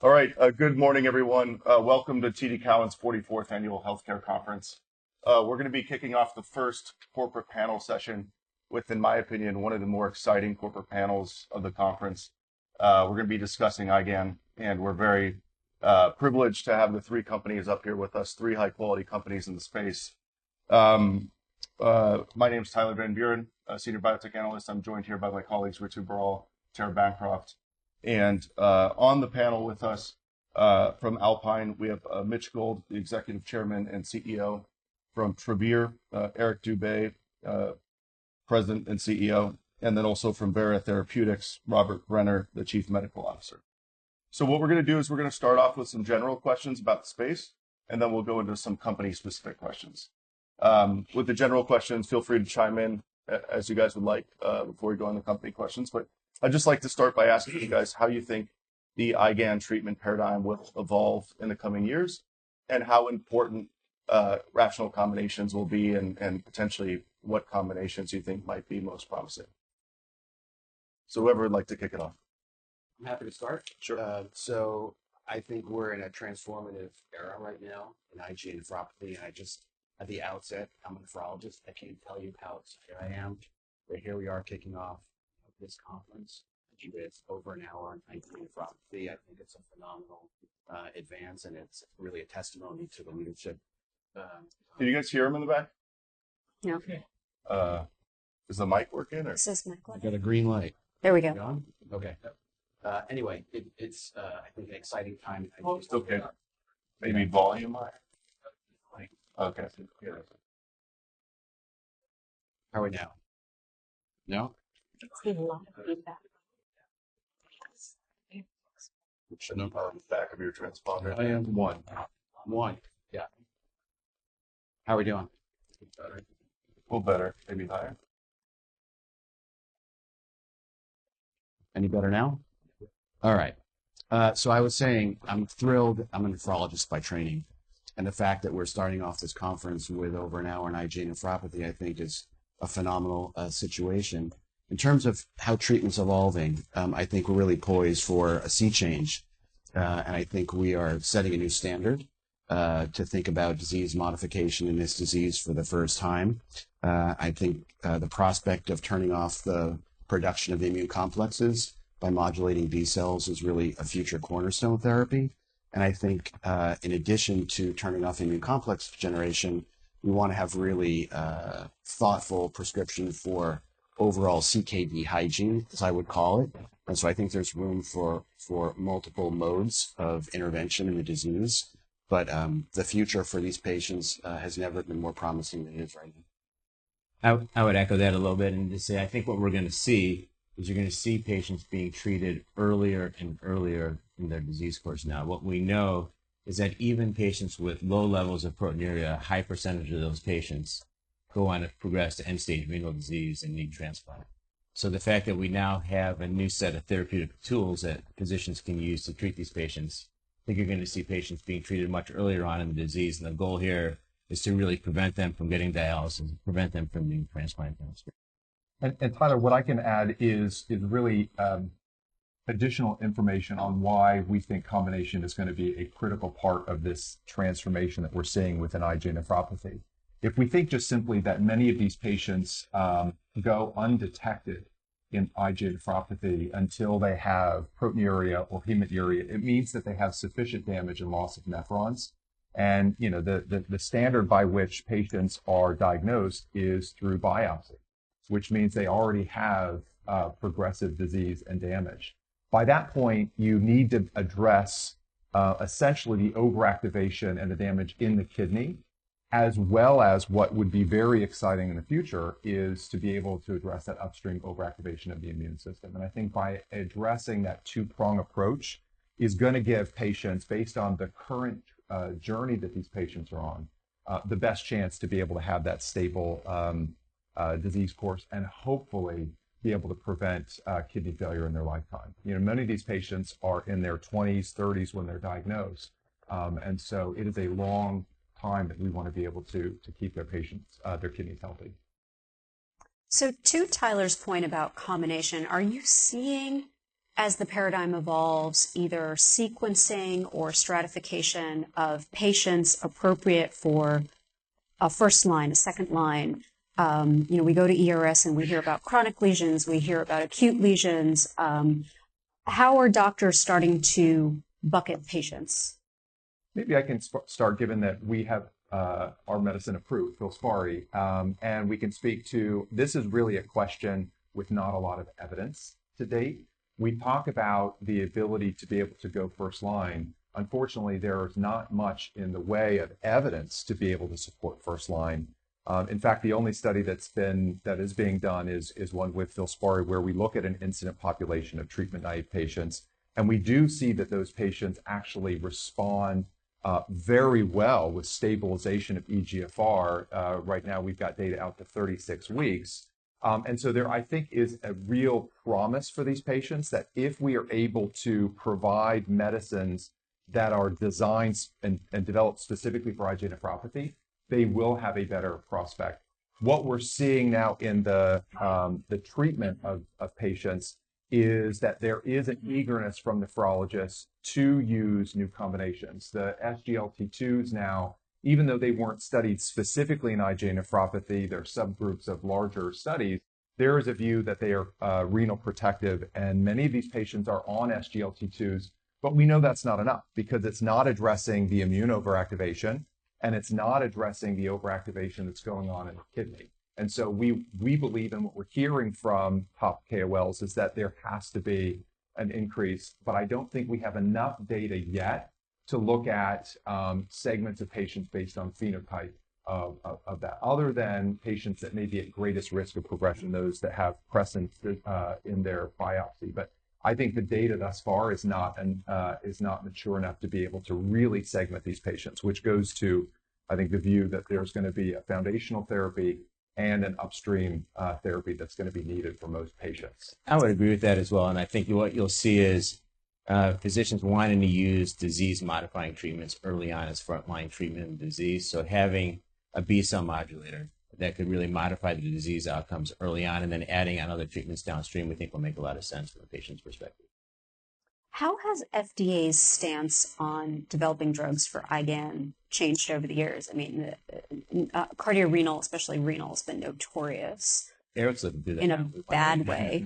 All right, good morning, everyone. Welcome to TD Cowen's 44th Annual Healthcare Conference. We're gonna be kicking off the first corporate panel session with, in my opinion, one of the more exciting corporate panels of the conference. We're gonna be discussing IgAN, and we're very privileged to have the three companies up here with us, three high-quality companies in the space. My name's Tyler Van Buren, senior biotech analyst. I'm joined here by my colleagues, Ritu Baral, Tara Bancroft. On the panel with us, from Alpine, we have Mitch Gold, the executive chairman and CEO; from Travere, Eric Dube, president and CEO; and then also from Vera Therapeutics, Robert Brenner, the chief medical officer. So what we're gonna do is we're gonna start off with some general questions about the space, and then we'll go into some company-specific questions. With the general questions, feel free to chime in, as you guys would like, before we go into company questions. But I'd just like to start by asking you guys how you think the IgAN treatment paradigm will evolve in the coming years and how important rational combinations will be and potentially what combinations you think might be most promising. So whoever would like to kick it off. I'm happy to start. Sure. So I think we're in a transformative era right now in IgA nephropathy, and I just at the outset, I'm a nephrologist. I can't tell you how excited I am, but here we are kicking off, you know, this conference. I think it's over an hour on IgA nephropathy. I think it's a phenomenal advance, and it's really a testimony to the leadership. Can you guys hear him in the back? No. Okay. Is the mic working, or? Says mic level. I've got a green light. There we go. On? Okay. Yep. Anyway, it's, I think an exciting time. Oh, it's okay. Maybe volume higher? Okay. Okay. Yeah. How are we now? No? It's getting a lot of feedback. I should know if I'm in the back of your transmitter. I am one. One. Yeah. How are we doing? A little better. A little better. Maybe higher? Any better now? Yeah. All right. So I was saying I'm thrilled. I'm a nephrologist by training. The fact that we're starting off this conference with over an hour on IgA nephropathy, I think, is a phenomenal situation. In terms of how treatment's evolving, I think we're really poised for a sea change. I think we are setting a new standard to think about disease modification in this disease for the first time. I think the prospect of turning off the production of immune complexes by modulating B cells is really a future cornerstone of therapy. I think, in addition to turning off immune complex generation, we wanna have really thoughtful prescription for overall CKD hygiene, as I would call it. So I think there's room for multiple modes of intervention in the disease. The future for these patients has never been more promising than it is right now. I would echo that a little bit and just say I think what we're gonna see is you're gonna see patients being treated earlier and earlier in their disease course now. What we know is that even patients with low levels of proteinuria, a high percentage of those patients go on to progress to end-stage renal disease and need transplant. So the fact that we now have a new set of therapeutic tools that physicians can use to treat these patients, I think you're gonna see patients being treated much earlier on in the disease. And the goal here is to really prevent them from getting dialysis, prevent them from needing transplant downstream. And, Tyler, what I can add is really additional information on why we think combination is gonna be a critical part of this transformation that we're seeing within IgA nephropathy. If we think just simply that many of these patients go undetected in IgA nephropathy until they have proteinuria or hematuria, it means that they have sufficient damage and loss of nephrons. And, you know, the standard by which patients are diagnosed is through biopsy, which means they already have progressive disease and damage. By that point, you need to address essentially the overactivation and the damage in the kidney, as well as what would be very exciting in the future is to be able to address that upstream overactivation of the immune system. I think by addressing that two-pronged approach is gonna give patients, based on the current journey that these patients are on, the best chance to be able to have that stable disease course and hopefully be able to prevent kidney failure in their lifetime. You know, many of these patients are in their 20s, 30s when they're diagnosed. And so it is a long time that we wanna be able to, to keep their patients, their kidneys healthy. So to Tyler's point about combination, are you seeing, as the paradigm evolves, either sequencing or stratification of patients appropriate for a first line, a second line? You know, we go to ERA and we hear about chronic lesions. We hear about acute lesions. How are doctors starting to bucket patients? Maybe I can start, given that we have our medicine approved, Filspari, and we can speak to this is really a question with not a lot of evidence to date. We talk about the ability to be able to go first line. Unfortunately, there is not much in the way of evidence to be able to support first line. In fact, the only study that is being done is one with Filspari where we look at an incident population of treatment-naive patients. And we do see that those patients actually respond very well with stabilization of eGFR. Right now, we've got data out to 36 weeks. And so there I think is a real promise for these patients that if we are able to provide medicines that are designed and developed specifically for IgA nephropathy, they will have a better prospect. What we're seeing now in the treatment of patients is that there is an eagerness from nephrologists to use new combinations. The SGLT2s now, even though they weren't studied specifically in IgA nephropathy, there are subgroups of larger studies. There is a view that they are renal protective. And many of these patients are on SGLT2s. But we know that's not enough because it's not addressing the immune overactivation, and it's not addressing the overactivation that's going on in the kidney. And so we believe in what we're hearing from top KOLs is that there has to be an increase. But I don't think we have enough data yet to look at segments of patients based on phenotype of that, other than patients that may be at greatest risk of progression, those that have crescents in their biopsy. I think the data thus far is not mature enough to be able to really segment these patients, which goes to, I think, the view that there's gonna be a foundational therapy and an upstream therapy that's gonna be needed for most patients. I would agree with that as well. I think what you'll see is physicians wanting to use disease-modifying treatments early on as frontline treatment in disease. Having a B-cell modulator that could really modify the disease outcomes early on and then adding on other treatments downstream we think will make a lot of sense from the patient's perspective. How has FDA's stance on developing drugs for IgAN changed over the years? I mean, the cardiorenal, especially renal, has been notorious. Eric's looking through that. In a bad way,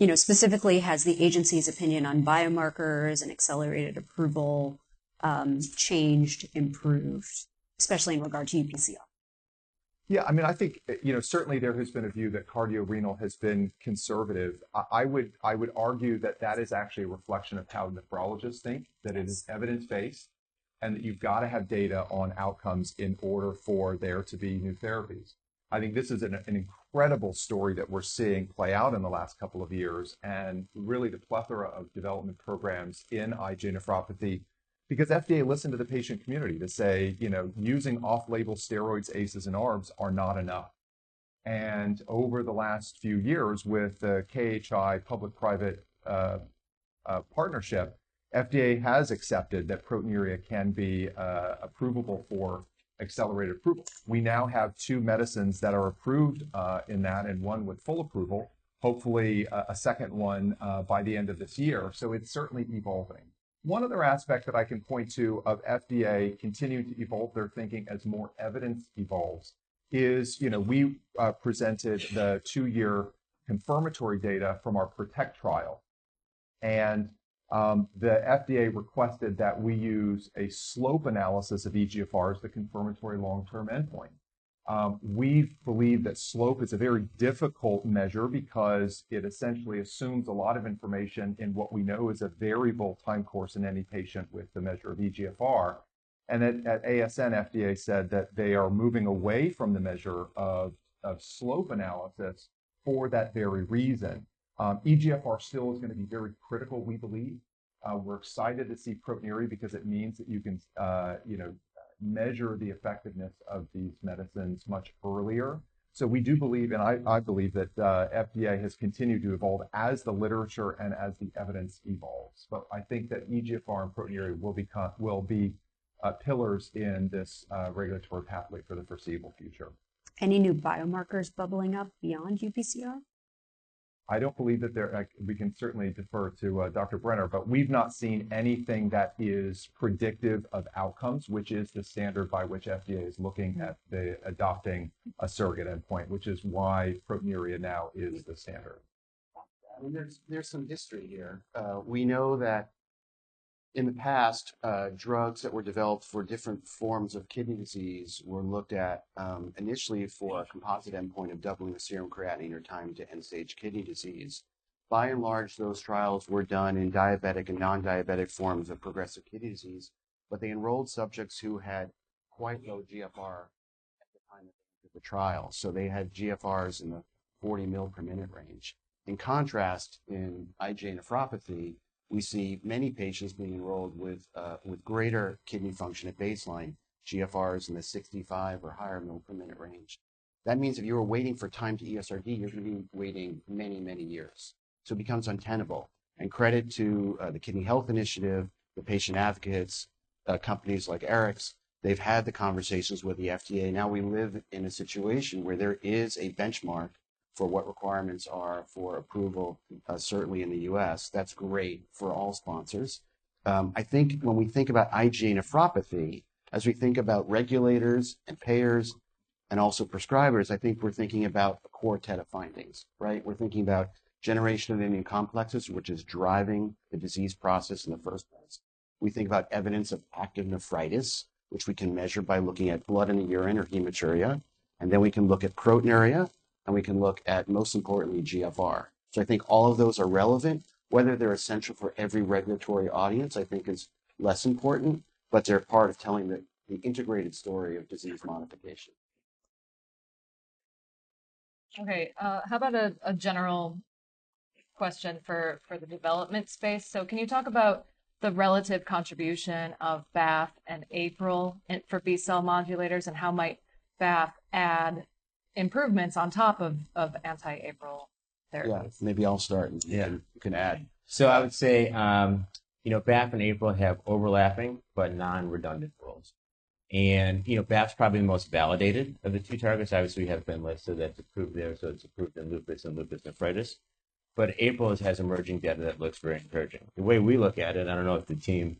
you know, specifically, has the agency's opinion on biomarkers and accelerated approval changed, improved, especially in regard to UPCR? Yeah. I mean, I think, you know, certainly there has been a view that cardiorenal has been conservative. I would argue that that is actually a reflection of how nephrologists think, that it is evidence-based and that you've gotta have data on outcomes in order for there to be new therapies. I think this is an incredible story that we're seeing play out in the last couple of years and really the plethora of development programs in IgA nephropathy because FDA listened to the patient community to say, you know, using off-label steroids, ACEs, and ARBs are not enough. And over the last few years with the KHI public-private partnership, FDA has accepted that proteinuria can be approvable for accelerated approval. We now have two medicines that are approved in that and one with full approval, hopefully, a second one, by the end of this year. So it's certainly evolving. One other aspect that I can point to of FDA continuing to evolve their thinking as more evidence evolves is, you know, we presented the 2-year confirmatory data from our PROTECT trial. The FDA requested that we use a slope analysis of eGFR as the confirmatory long-term endpoint. We believe that slope is a very difficult measure because it essentially assumes a lot of information in what we know is a variable time course in any patient with the measure of eGFR. At ASN, FDA said that they are moving away from the measure of slope analysis for that very reason. eGFR still is gonna be very critical, we believe. We're excited to see proteinuria because it means that you can, you know, measure the effectiveness of these medicines much earlier. So we do believe and I believe that FDA has continued to evolve as the literature and as the evidence evolves. But I think that eGFR and proteinuria will be pillars in this regulatory pathway for the foreseeable future. Any new biomarkers bubbling up beyond UPCR? I don't believe that we can certainly defer to Dr. Brenner. But we've not seen anything that is predictive of outcomes, which is the standard by which FDA is looking at adopting a surrogate endpoint, which is why proteinuria now is the standard. Gotcha. Well, there's some history here. We know that in the past, drugs that were developed for different forms of kidney disease were looked at, initially for a composite endpoint of doubling the serum creatinine or time to end-stage kidney disease. By and large, those trials were done in diabetic and non-diabetic forms of progressive kidney disease. But they enrolled subjects who had quite low GFR at the time of the end of the trial. So they had GFRs in the 40 mL/min range. In contrast, in IgA nephropathy, we see many patients being enrolled with greater kidney function at baseline, GFRs in the 65 or higher mL/min range. That means if you were waiting for time to ESRD, you're gonna be waiting many, many years. So it becomes untenable. And credit to the Kidney Health Initiative, the patient advocates, companies like Eric. They've had the conversations with the FDA. Now we live in a situation where there is a benchmark for what requirements are for approval, certainly in the US. That's great for all sponsors. I think when we think about IgA nephropathy, as we think about regulators and payers and also prescribers, I think we're thinking about a quartet of findings, right? We're thinking about generation of immune complexes, which is driving the disease process in the first place. We think about evidence of active nephritis, which we can measure by looking at blood in the urine or hematuria. And then we can look at proteinuria. And we can look at, most importantly, GFR. So I think all of those are relevant. Whether they're essential for every regulatory audience, I think, is less important. But they're part of telling the integrated story of disease modification. Okay. How about a general question for the development space? So can you talk about the relative contribution of BAFF and APRIL in for B-cell modulators? And how might BAFF add improvements on top of anti-APRIL therapies? Yeah. Maybe I'll start and you can add. Yeah. So I would say, you know, BAFF and APRIL have overlapping but non-redundant roles. And, you know, BAFF's probably the most validated of the two targets. Obviously, we have Benlysta that's approved there. So it's approved in lupus and lupus nephritis. But APRIL has emerging data that looks very encouraging. The way we look at it, I don't know if the team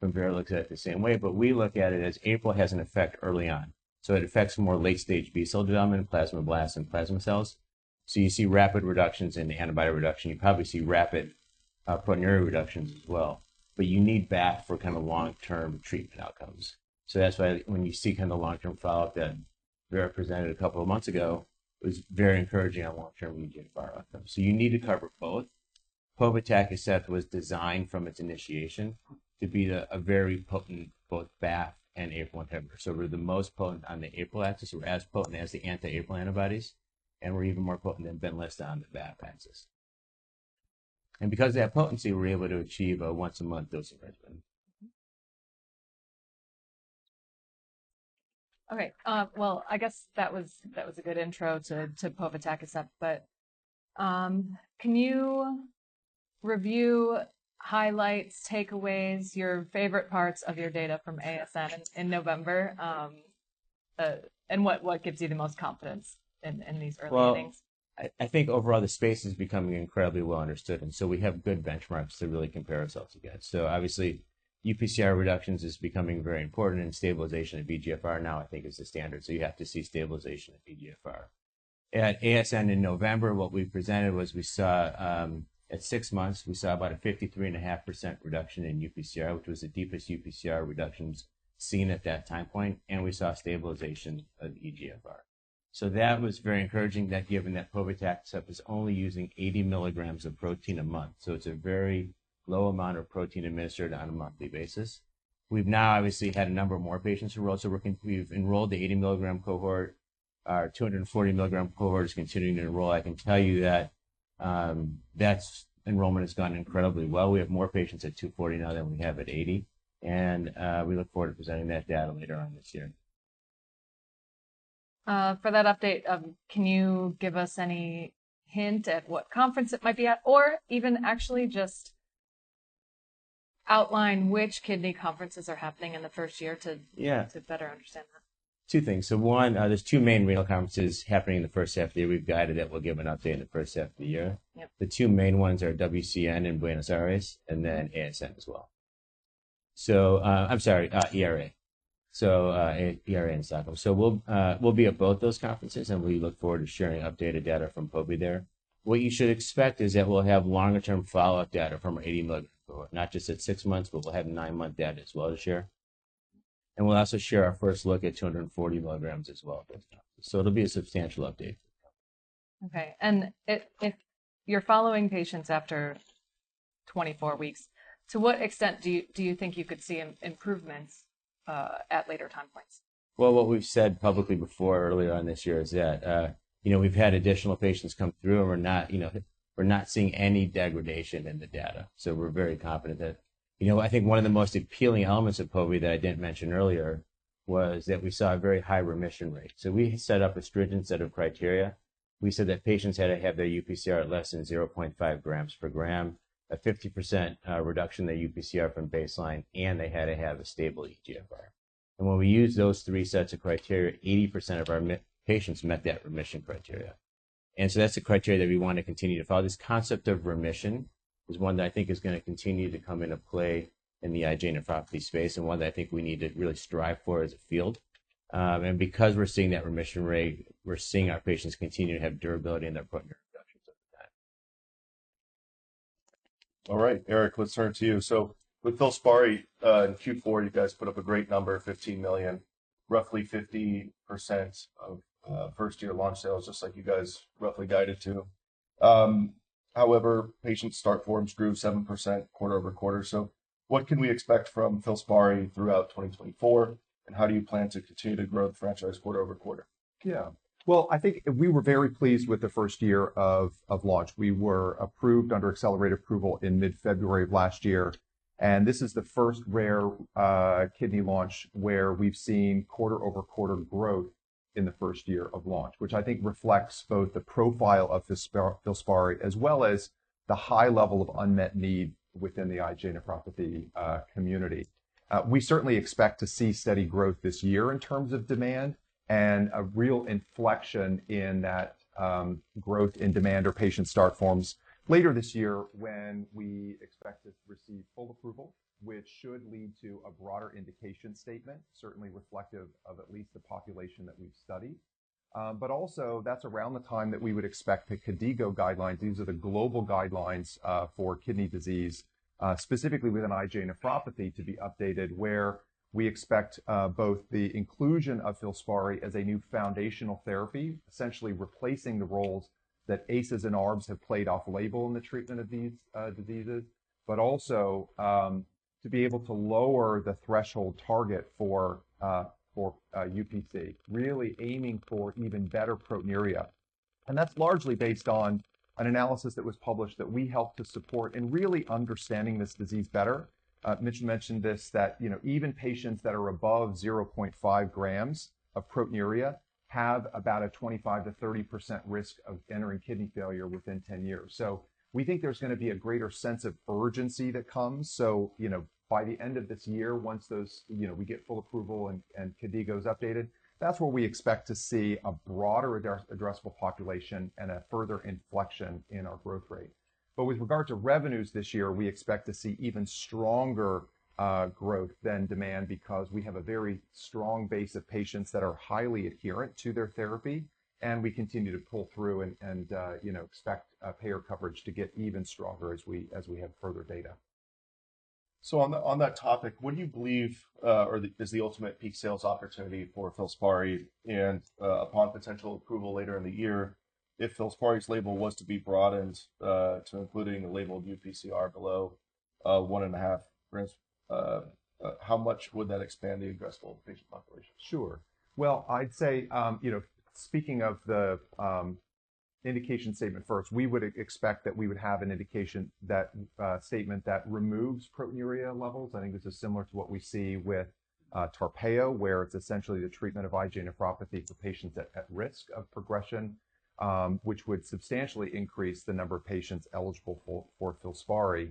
from Vera looks at it the same way. But we look at it as APRIL has an effect early on. So it affects more late-stage B-cell development, plasmablasts, and plasma cells. So you see rapid reductions in the antibody reduction. You probably see rapid, proteinuria reductions as well. But you need BAFF for kind of long-term treatment outcomes. So that's why when you see kind of the long-term follow-up that Vera presented a couple of months ago, it was very encouraging on long-term eGFR outcomes. So you need to cover both. Povetacicept, as said, was designed from its initiation to be a very potent both BAFF and APRIL inhibitor. We're the most potent on the APRIL axis. We're as potent as the anti-APRIL antibodies. And we're even more potent than Benlysta on the BAFF axis. And because of that potency, we're able to achieve a once-a-month dosing regimen. Okay. Well, I guess that was a good intro to povetacicept, as said. But can you review highlights, takeaways, your favorite parts of your data from ASN in November? And what gives you the most confidence in these early things? Well, I think overall, the space is becoming incredibly well understood. And so we have good benchmarks to really compare ourselves against. So obviously, UPCR reductions is becoming very important. And stabilization of eGFR now, I think, is the standard. So you have to see stabilization of eGFR. At ASN in November, what we presented was we saw, at six months, we saw about a 53.5% reduction in UPCR, which was the deepest UPCR reductions seen at that time point. And we saw stabilization of eGFR. So that was very encouraging that given that povetacicept, as said, is only using 80 milligrams of protein a month. So it's a very low amount of protein administered on a monthly basis. We've now obviously had a number of more patients enroll. So we've enrolled the 80 milligram cohort. Our 240 milligram cohort is continuing to enroll. I can tell you that, that's enrollment has gone incredibly well. We have more patients at 240 now than we have at 80. We look forward to presenting that data later on this year. For that update, can you give us any hint at what conference it might be at or even actually just outline which kidney conferences are happening in the first year too? Yeah. To better understand that? Two things. So one, there's two main renal conferences happening in the first half of the year. We've guided that. We'll give an update in the first half of the year. Yep. The 2 main ones are WCN in Buenos Aires and then ASN as well. So, I'm sorry, ERA. So, ERA in Stockholm. So we'll be at both those conferences. And we look forward to sharing updated data from povetacicept there. What you should expect is that we'll have longer-term follow-up data from our 80 milligram cohort, not just at 6 months, but we'll have 9-month data as well this year. And we'll also share our first look at 240 milligrams as well at those conferences. So it'll be a substantial update for the company. Okay. And if you're following patients after 24 weeks, to what extent do you think you could see improvements at later time points? Well, what we've said publicly before earlier on this year is that, you know, we've had additional patients come through. And we're not, you know, we're not seeing any degradation in the data. So we're very confident that you know, I think one of the most appealing elements of povetacicept that I didn't mention earlier was that we saw a very high remission rate. So we set up a stringent set of criteria. We said that patients had to have their UPCR less than 0.5 grams per gram, a 50% reduction in their UPCR from baseline. And they had to have a stable eGFR. And when we used those three sets of criteria, 80% of our mi patients met that remission criteria. And so that's a criteria that we want to continue to follow. This concept of remission is one that I think is gonna continue to come into play in the IgA nephropathy space and one that I think we need to really strive for as a field. Because we're seeing that remission rate, we're seeing our patients continue to have durability in their proteinuria reductions over time. All right, Eric. Let's turn it to you. So with Filspari, in Q4, you guys put up a great number, $15 million, roughly 50% of first-year launch sales, just like you guys roughly guided to. However, patient start forms grew 7% quarter-over-quarter. So what can we expect from Filspari throughout 2024? And how do you plan to continue to grow the franchise quarter-over-quarter? Yeah. Well, I think we were very pleased with the first year of launch. We were approved under accelerated approval in mid-February of last year. And this is the first rare kidney launch where we've seen quarter-over-quarter growth in the first year of launch, which I think reflects both the profile of Filspari as well as the high level of unmet need within the IgA nephropathy community. We certainly expect to see steady growth this year in terms of demand and a real inflection in that growth in demand or patient start forms later this year when we expect to receive full approval, which should lead to a broader indication statement, certainly reflective of at least the population that we've studied. But also, that's around the time that we would expect the KDIGO guidelines. These are the global guidelines for kidney disease, specifically within IgA nephropathy, to be updated where we expect both the inclusion of Filspari as a new foundational therapy, essentially replacing the roles that ACEs and ARBs have played off-label in the treatment of these diseases, but also to be able to lower the threshold target for UPC, really aiming for even better proteinuria. And that's largely based on an analysis that was published that we helped to support in really understanding this disease better. Mitchell mentioned this, that you know, even patients that are above 0.5 grams of proteinuria have about a 25%-30% risk of entering kidney failure within 10 years. So we think there's gonna be a greater sense of urgency that comes. So, you know, by the end of this year, once those, you know, we get full approval and KDIGO's updated, that's where we expect to see a broader addressable population and a further inflection in our growth rate. But with regard to revenues this year, we expect to see even stronger growth than demand because we have a very strong base of patients that are highly adherent to their therapy. And we continue to pull through and, you know, expect payer coverage to get even stronger as we have further data. So on that topic, what do you believe, or what is the ultimate peak sales opportunity for Filspari? Upon potential approval later in the year, if Filspari's label was to be broadened to including the labeled UPCR below 1.5 grams, how much would that expand the addressable patient population? Sure. Well, I'd say, you know, speaking of the indication statement first, we would expect that we would have an indication that statement that removes proteinuria levels. I think this is similar to what we see with Tarpeyo, where it's essentially the treatment of IgA nephropathy for patients at risk of progression, which would substantially increase the number of patients eligible for Filspari.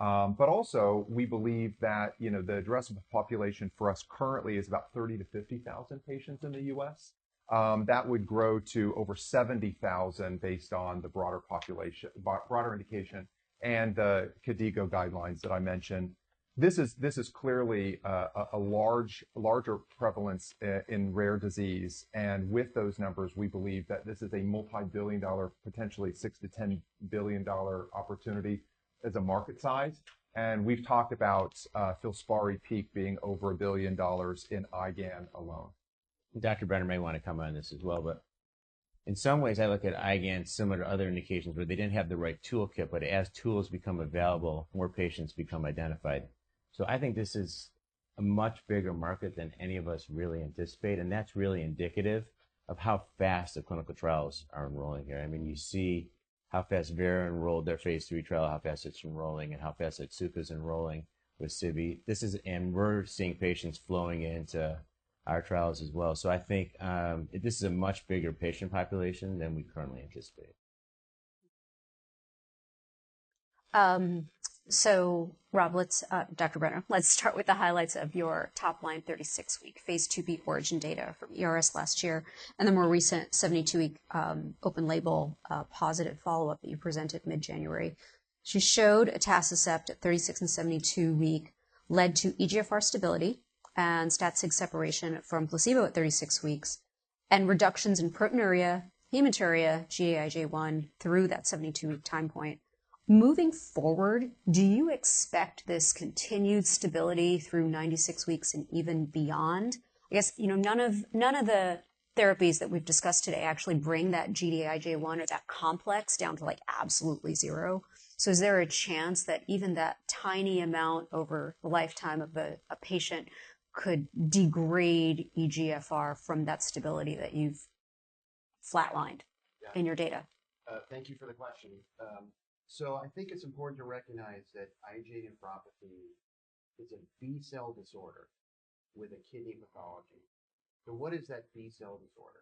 But also, we believe that, you know, the addressable population for us currently is about 30,000-50,000 patients in the US. That would grow to over 70,000 based on the broader population broader indication and the KDIGO guidelines that I mentioned. This is clearly a larger prevalence in rare disease. And with those numbers, we believe that this is a multibillion-dollar, potentially $6-$10 billion opportunity as a market size. We've talked about Filspari peak being over $1 billion in IgAN alone. Dr. Brenner may wanna come on this as well. But in some ways, I look at IgAN similar to other indications where they didn't have the right toolkit. But as tools become available, more patients become identified. So I think this is a much bigger market than any of us really anticipate. And that's really indicative of how fast the clinical trials are enrolling here. I mean, you see how fast Vera enrolled their phase 3 trial, how fast it's enrolling, and how fast Otsuka's enrolling with sibeprenlimab. This is and we're seeing patients flowing into our trials as well. So I think, this is a much bigger patient population than we currently anticipate. Rob, let's, Dr. Brenner, let's start with the highlights of your top-line 36-week Phase IIb ORIGIN data from ERA last year and the more recent 72-week, open-label, positive follow-up that you presented mid-January. You showed atacicept at 36 and 72 weeks led to eGFR stability and stat-sig separation from placebo at 36 weeks and reductions in proteinuria, hematuria, Gd-IgA1 through that 72-week time point. Moving forward, do you expect this continued stability through 96 weeks and even beyond? I guess, you know, none of the therapies that we've discussed today actually bring that Gd-IgA1 or that complex down to, like, absolutely zero. So is there a chance that even that tiny amount over the lifetime of a patient could degrade eGFR from that stability that you've flatlined? Yeah. In your data? Thank you for the question. So I think it's important to recognize that IgA nephropathy, it's a B-cell disorder with a kidney pathology. So what is that B-cell disorder,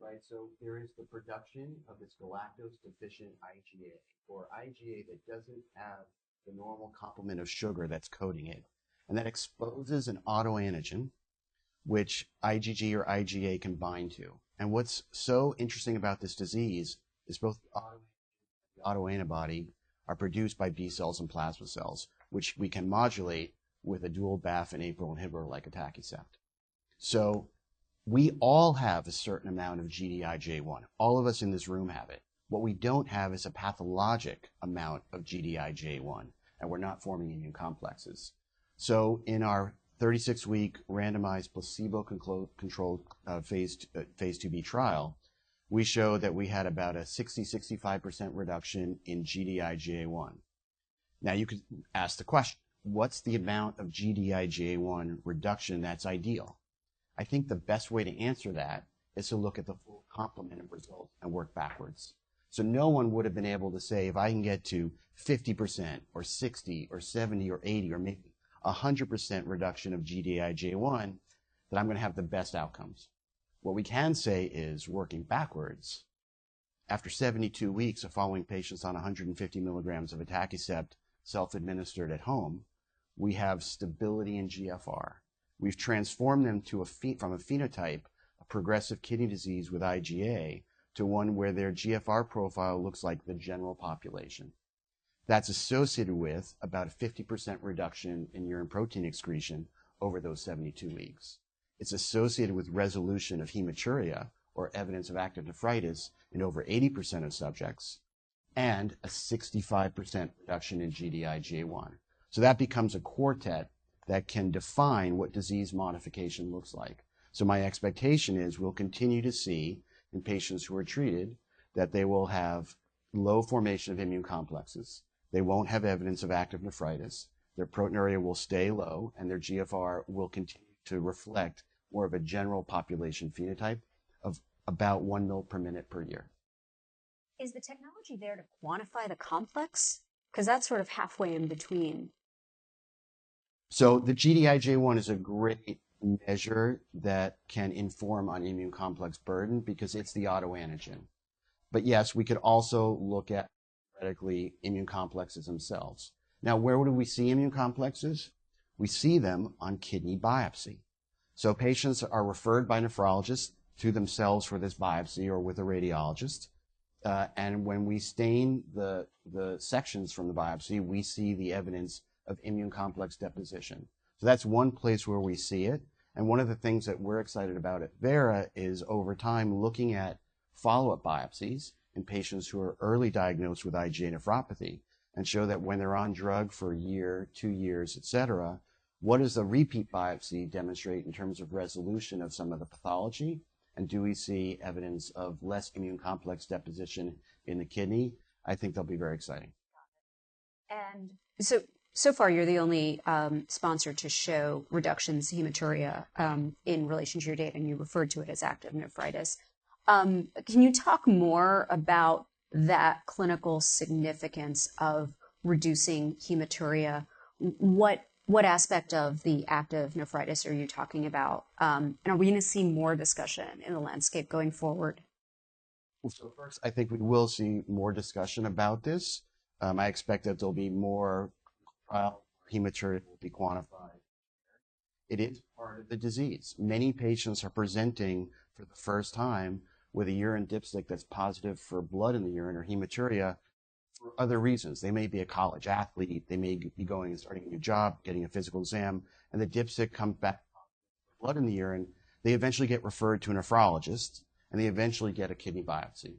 right? So there is the production of this galactose-deficient IgA or IgA that doesn't have the normal complement of sugar that's coating it. And that exposes an autoantigen, which IgG or IgA can bind to. And what's so interesting about this disease is both the autoantigen and the autoantibody are produced by B-cells and plasma cells, which we can modulate with a dual BAFF and APRIL inhibitor like atacicept. So we all have a certain amount of Gd-IgA1. All of us in this room have it. What we don't have is a pathologic amount of Gd-IgA1. And we're not forming immune complexes. So in our 36-week randomized placebo-controlled, phase II Phase IIb trial, we showed that we had about a 60%-65% reduction in Gd-IgA1. Now, you could ask the question, what's the amount of Gd-IgA1 reduction that's ideal? I think the best way to answer that is to look at the full complement of results and work backwards. So no one would have been able to say, "If I can get to 50% or 60% or 70% or 80% or maybe 100% reduction of Gd-IgA1, then I'm gonna have the best outcomes." What we can say is, working backwards, after 72 weeks of following patients on 150 milligrams of atacicept self-administered at home, we have stability in GFR. We've transformed them from a phenotype, a progressive kidney disease with IgA, to one where their GFR profile looks like the general population. That's associated with about a 50% reduction in urine protein excretion over those 72 weeks. It's associated with resolution of hematuria or evidence of active nephritis in over 80% of subjects and a 65% reduction in Gd-IgA1. So that becomes a quartet that can define what disease modification looks like. So my expectation is we'll continue to see in patients who are treated that they will have low formation of immune complexes. They won't have evidence of active nephritis. Their proteinuria will stay low. And their GFR will continue to reflect more of a general population phenotype of about 1 ml per minute per year. Is the technology there to quantify the complex? 'Cause that's sort of halfway in between. So the Gd-IgA1 is a great measure that can inform on immune complex burden because it's the autoantigen. But yes, we could also look at, like, immune complexes themselves. Now, where would we see immune complexes? We see them on kidney biopsy. So patients are referred by nephrologists to themselves for this biopsy or with a radiologist. And when we stain the sections from the biopsy, we see the evidence of immune complex deposition. So that's one place where we see it. And one of the things that we're excited about at Vera is, over time, looking at follow-up biopsies in patients who are early diagnosed with IgA nephropathy and show that when they're on drug for a year, two years, etc., what does the repeat biopsy demonstrate in terms of resolution of some of the pathology? And do we see evidence of less immune complex deposition in the kidney? I think they'll be very exciting. Got it. And so, so far, you're the only sponsor to show reductions in hematuria in relation to your data. And you referred to it as active nephritis. Can you talk more about that clinical significance of reducing hematuria? What, what aspect of the active nephritis are you talking about? And are we gonna see more discussion in the landscape going forward? So first, I think we will see more discussion about this. I expect that there'll be more trials where hematuria will be quantified. It is part of the disease. Many patients are presenting for the first time with a urine dipstick that's positive for blood in the urine or hematuria for other reasons. They may be a college athlete. They may be going and starting a new job, getting a physical exam. And the dipstick comes back positive for blood in the urine. They eventually get referred to a nephrologist. And they eventually get a kidney biopsy.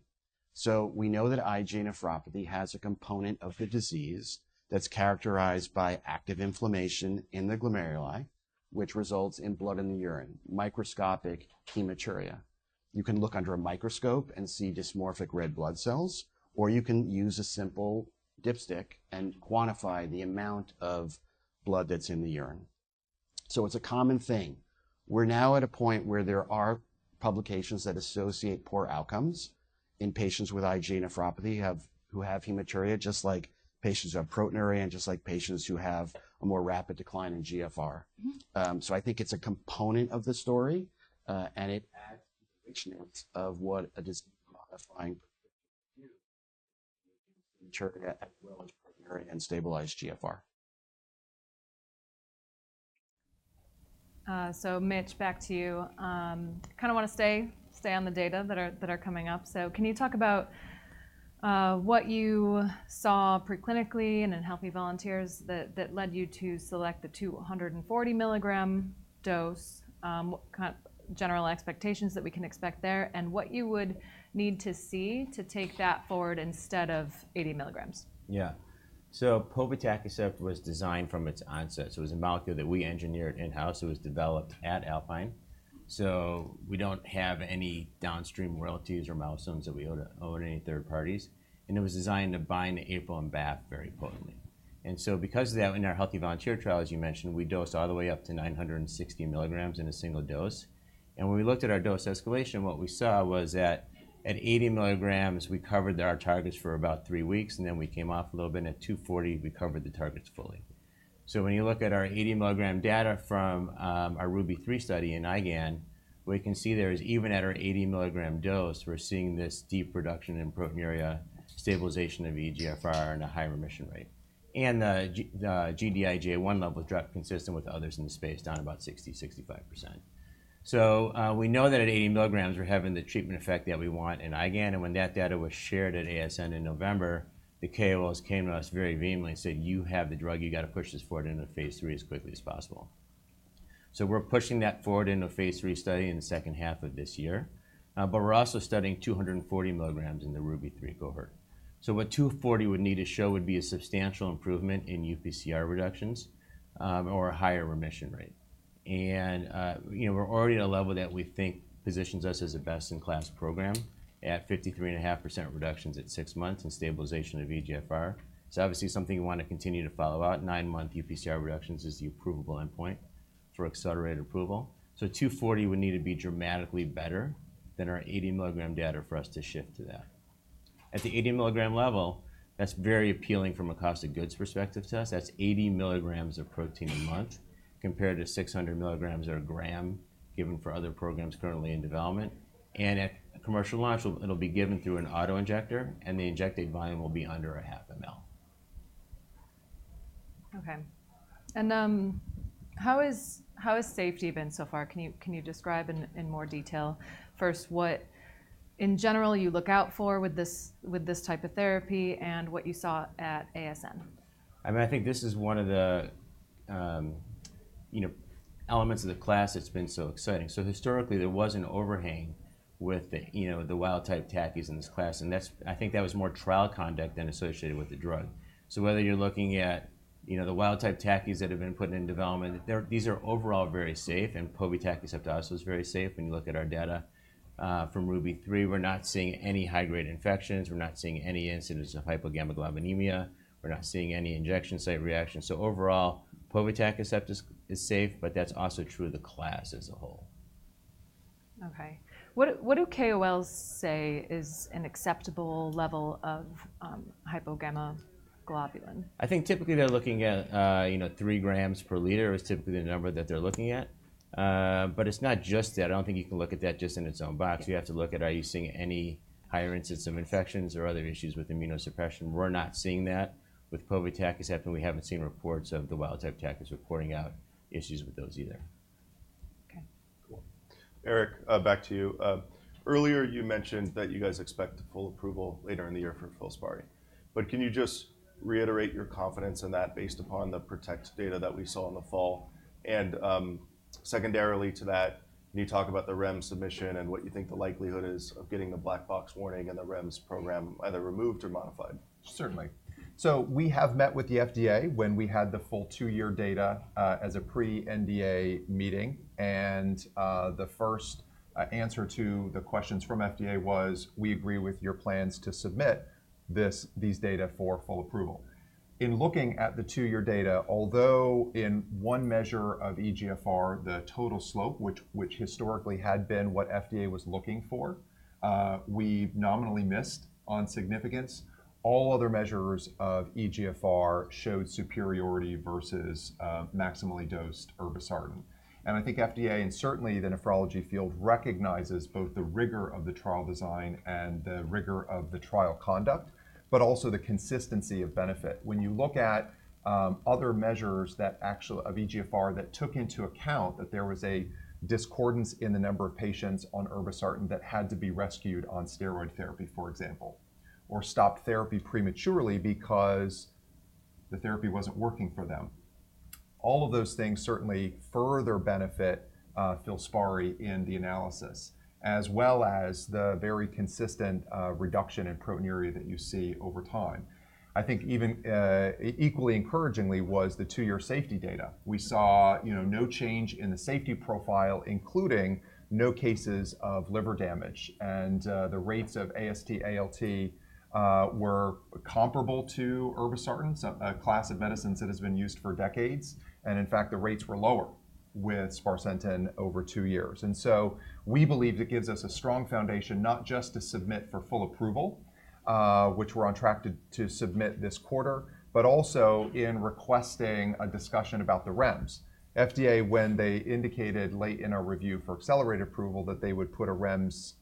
So we know that IgA nephropathy has a component of the disease that's characterized by active inflammation in the glomeruli, which results in blood in the urine, microscopic hematuria. You can look under a microscope and see dysmorphic red blood cells. Or you can use a simple dipstick and quantify the amount of blood that's in the urine. So it's a common thing. We're now at a point where there are publications that associate poor outcomes in patients with IgA nephropathy who have hematuria, just like patients who have proteinuria and just like patients who have a more rapid decline in GFR. I think it's a component of the story. It adds to the richness of what a disease-modifying prescription can do with hematuria as well as proteinuria and stabilize GFR. So, Mitch, back to you. Kinda wanna stay on the data that are coming up. So, can you talk about what you saw preclinically and in healthy volunteers that led you to select the 240-milligram dose, what kind of general expectations that we can expect there, and what you would need to see to take that forward instead of 80 milligrams? Yeah. So povetacicept was designed from its onset. So it was a molecule that we engineered in-house. It was developed at Alpine. So we don't have any downstream royalties or milestones that we owed to own any third parties. And it was designed to bind to APRIL and BAFF very potently. And so because of that, in our Healthy Volunteer trial, as you mentioned, we dosed all the way up to 960 milligrams in a single dose. And when we looked at our dose escalation, what we saw was that at 80 milligrams, we covered our targets for about three weeks. And then we came off a little bit. At 240, we covered the targets fully. So when you look at our 80-milligram data from our RUBY-3 study in IgAN, what you can see there is, even at our 80-milligram dose, we're seeing this deep reduction in proteinuria, stabilization of eGFR, and a higher remission rate. And the Gd-IgA1 level dropped consistent with others in the space, down about 60%-65%. So, we know that at 80 milligrams, we're having the treatment effect that we want in IgAN. And when that data was shared at ASN in November, the KOLs came to us very vehemently and said, "You have the drug. You gotta push this forward into phase III as quickly as possible." So we're pushing that forward into a phase III study in the second half of this year. But we're also studying 240 milligrams in the RUBY-3 cohort. So what 240 would need to show would be a substantial improvement in UPCR reductions, or a higher remission rate. And, you know, we're already at a level that we think positions us as a best-in-class program at 53.5% reductions at 6 months and stabilization of eGFR. It's obviously something you wanna continue to follow out. 9-month UPCR reductions is the approval endpoint for accelerated approval. So 240 would need to be dramatically better than our 80-milligram data for us to shift to that. At the 80-milligram level, that's very appealing from a cost-of-goods perspective to us. That's 80 milligrams of protein a month compared to 600 milligrams or 1 gram given for other programs currently in development. And at commercial launch, it'll be given through an autoinjector. And the injected volume will be under 0.5 mL. Okay. And how has safety been so far? Can you describe in more detail first what in general you look out for with this type of therapy and what you saw at ASN? I mean, I think this is one of the, you know, elements of the class that's been so exciting. So historically, there was an overhang with the, you know, the wild-type TACIs in this class. And that's I think that was more trial conduct than associated with the drug. So whether you're looking at, you know, the wild-type TACIs that have been put in development, they're these are overall very safe. And povetacicept also is very safe when you look at our data, from RUBY-3. We're not seeing any high-grade infections. We're not seeing any incidence of hypogammaglobulinemia. We're not seeing any injection-site reactions. So overall, povetacicept is, is safe. But that's also true of the class as a whole. Okay. What, what do KOLs say is an acceptable level of hypogammaglobulin? I think typically, they're looking at, you know, 3 grams per liter is typically the number that they're looking at. But it's not just that. I don't think you can look at that just in its own box. You have to look at, are you seeing any higher incidence of infections or other issues with immunosuppression? We're not seeing that with povetacicept. And we haven't seen reports of the wild-type TACIs reporting out issues with those either. Okay. Cool. Eric, back to you. Earlier, you mentioned that you guys expect full approval later in the year for Filspari. But can you just reiterate your confidence in that based upon the PROTECT data that we saw in the fall? And, secondarily to that, can you talk about the REMS submission and what you think the likelihood is of getting the black box warning and the REMS program either removed or modified? Certainly. So we have met with the FDA when we had the full two-year data, as a pre-NDA meeting. And, the first answer to the questions from FDA was, "We agree with your plans to submit this these data for full approval." In looking at the two-year data, although in one measure of eGFR, the total slope, which historically had been what FDA was looking for, we nominally missed on significance, all other measures of eGFR showed superiority versus maximally dosed irbesartan. And I think FDA and certainly the nephrology field recognizes both the rigor of the trial design and the rigor of the trial conduct but also the consistency of benefit. When you look at other measures that actually of eGFR that took into account that there was a discordance in the number of patients on irbesartan that had to be rescued on steroid therapy, for example, or stopped therapy prematurely because the therapy wasn't working for them, all of those things certainly further benefit Filspari in the analysis as well as the very consistent reduction in proteinuria that you see over time. I think even equally encouragingly was the two-year safety data. We saw, you know, no change in the safety profile, including no cases of liver damage. And the rates of AST/ALT were comparable to irbesartan, so a class of medicines that has been used for decades. And in fact, the rates were lower with sparsentan over two years. And so we believe it gives us a strong foundation not just to submit for full approval, which we're on track to, to submit this quarter, but also in requesting a discussion about the REMS. FDA, when they indicated late in our review for accelerated approval that they would put a REMS,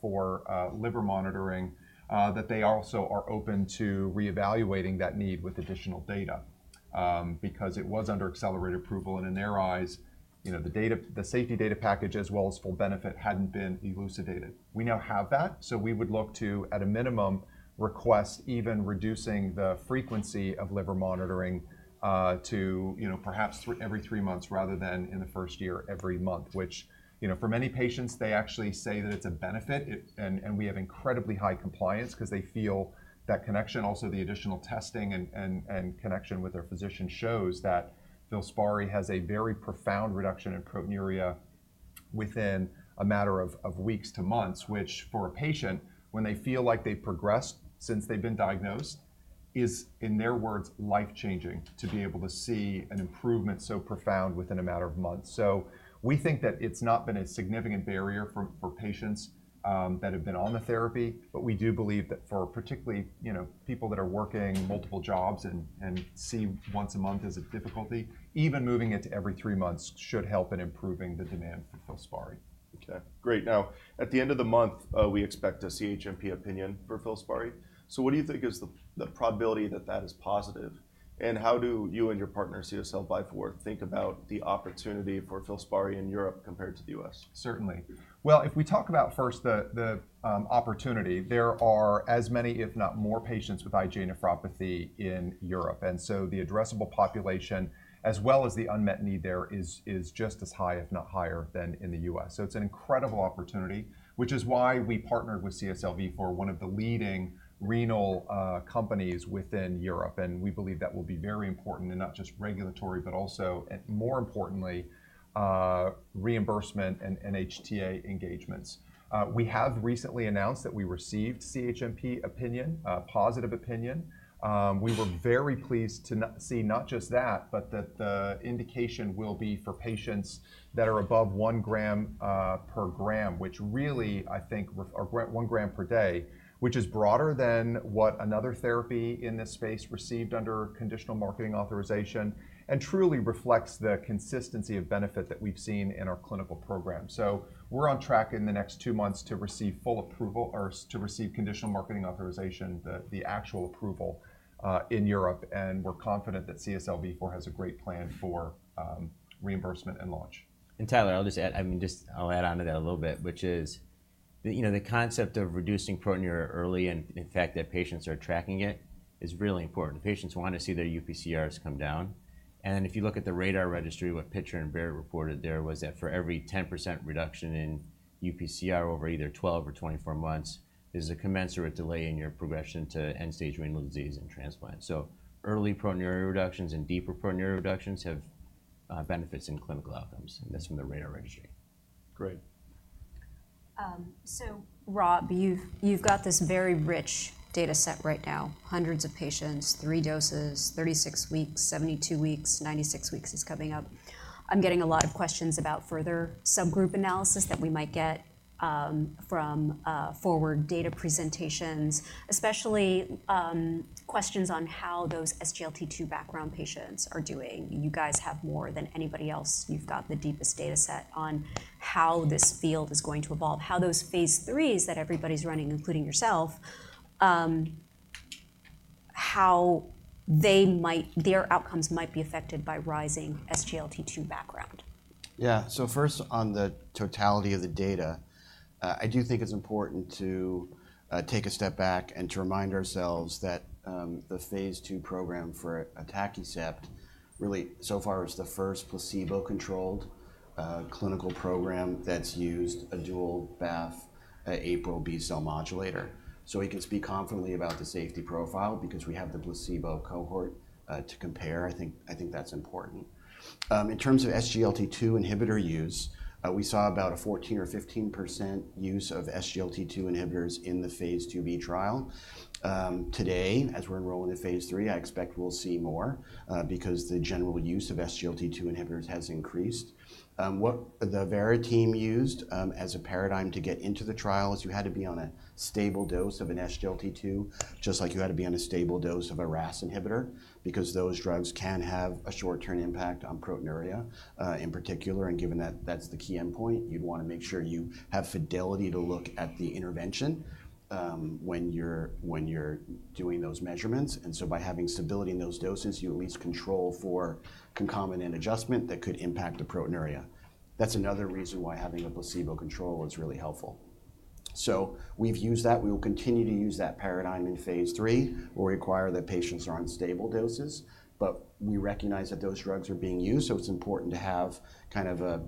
for, liver monitoring, that they also are open to reevaluating that need with additional data, because it was under accelerated approval. And in their eyes, you know, the data the safety data package as well as full benefit hadn't been elucidated. We now have that. So we would look to, at a minimum, request even reducing the frequency of liver monitoring, to, you know, perhaps three every 3 months rather than in the first year every month, which, you know, for many patients, they actually say that it's a benefit. And we have incredibly high compliance 'cause they feel that connection. Also, the additional testing and connection with their physician shows that Filspari has a very profound reduction in proteinuria within a matter of weeks to months, which for a patient, when they feel like they've progressed since they've been diagnosed, is, in their words, life-changing to be able to see an improvement so profound within a matter of months. So we think that it's not been a significant barrier for patients that have been on the therapy. But we do believe that for particularly, you know, people that are working multiple jobs and see once a month as a difficulty, even moving it to every three months should help in improving the demand for Filspari. Okay. Great. Now, at the end of the month, we expect a CHMP opinion for Filspari. So what do you think is the probability that that is positive? And how do you and your partner, CSL Vifor, think about the opportunity for Filspari in Europe compared to the U.S.? Certainly. Well, if we talk about first the opportunity, there are as many, if not more, patients with IgA nephropathy in Europe. And so the addressable population as well as the unmet need there is just as high, if not higher, than in the US. So it's an incredible opportunity, which is why we partnered with CSL Vifor, one of the leading renal companies within Europe. And we believe that will be very important and not just regulatory but also, and more importantly, reimbursement and HTA engagements. We have recently announced that we received positive CHMP opinion. We were very pleased to not see not just that but that the indication will be for patients that are above 1 gram per gram, which really, I think, greater than 1 gram per day, which is broader than what another therapy in this space received under conditional marketing authorization and truly reflects the consistency of benefit that we've seen in our clinical program. So we're on track in the next 2 months to receive full approval or to receive conditional marketing authorization, the actual approval, in Europe. And we're confident that CSL Vifor has a great plan for reimbursement and launch. Tyler, I'll just add, I mean, onto that a little bit, which is the, you know, the concept of reducing proteinuria early and, in fact, that patients are tracking it is really important. The patients wanna see their UPCRs come down. If you look at the RaDaR registry, what Pitcher and Barratt reported there was that for every 10% reduction in UPCR over either 12 or 24 months, there's a commensurate delay in your progression to end-stage renal disease and transplant. So early proteinuria reductions and deeper proteinuria reductions have benefits in clinical outcomes. That's from the RaDaR registry. Great. So, Rob, you've, you've got this very rich data set right now, hundreds of patients, 3 doses, 36 weeks, 72 weeks, 96 weeks is coming up. I'm getting a lot of questions about further subgroup analysis that we might get from forward data presentations, especially questions on how those SGLT2 background patients are doing. You guys have more than anybody else. You've got the deepest data set on how this field is going to evolve, how those phase IIIs that everybody's running, including yourself, how they might their outcomes might be affected by rising SGLT2 background. Yeah. So first, on the totality of the data, I do think it's important to take a step back and to remind ourselves that the phase II program for atacicept really, so far, is the first placebo-controlled clinical program that's used a dual BAFF, APRIL B-cell modulator. So we can speak confidently about the safety profile because we have the placebo cohort to compare. I think I think that's important. In terms of SGLT2 inhibitor use, we saw about a 14%-15% use of SGLT2 inhibitors in the Phase IIb trial. Today, as we're enrolling in phase III, I expect we'll see more, because the general use of SGLT2 inhibitors has increased. What the Vera team used, as a paradigm to get into the trial, is you had to be on a stable dose of an SGLT2 just like you had to be on a stable dose of a RAAS inhibitor because those drugs can have a short-term impact on proteinuria, in particular. And given that that's the key endpoint, you'd wanna make sure you have fidelity to look at the intervention, when you're doing those measurements. And so by having stability in those doses, you at least control for concomitant adjustment that could impact the proteinuria. That's another reason why having a placebo control is really helpful. So we've used that. We will continue to use that paradigm in phase III where we require that patients are on stable doses. But we recognize that those drugs are being used. So it's important to have kind of a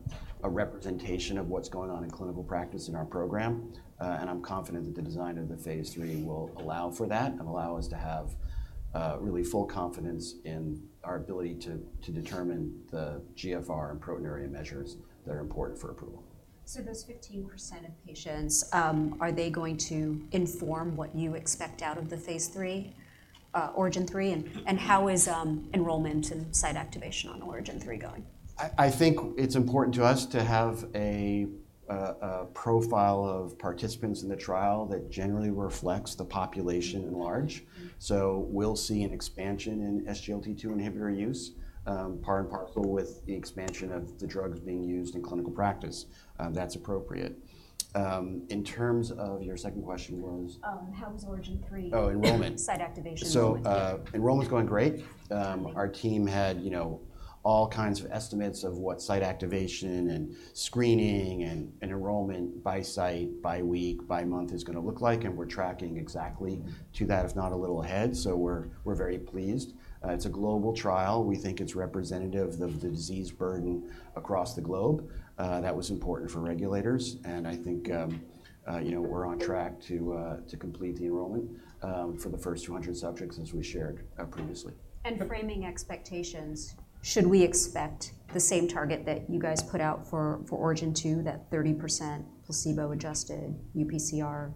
representation of what's going on in clinical practice in our program. I'm confident that the design of the phase III will allow for that and allow us to have really full confidence in our ability to determine the GFR and proteinuria measures that are important for approval. So those 15% of patients, are they going to inform what you expect out of the phase III, ORIGIN III? And how is enrollment and site activation on ORIGIN III going? I think it's important to us to have a profile of participants in the trial that generally reflects the population at large. So we'll see an expansion in SGLT2 inhibitor use, part and parcel with the expansion of the drugs being used in clinical practice. That's appropriate. In terms of your second question was. How was ORIGIN III? Oh, enrollment. Site activation enrollment? So, enrollment's going great. Our team had, you know, all kinds of estimates of what site activation and screening and, and enrollment by site, by week, by month is gonna look like. And we're tracking exactly to that, if not a little ahead. So we're, we're very pleased. It's a global trial. We think it's representative of the disease burden across the globe. That was important for regulators. And I think, you know, we're on track to, to complete the enrollment, for the first 200 subjects as we shared, previously. Framing expectations, should we expect the same target that you guys put out for ORIGIN II, that 30% placebo-adjusted UPCR?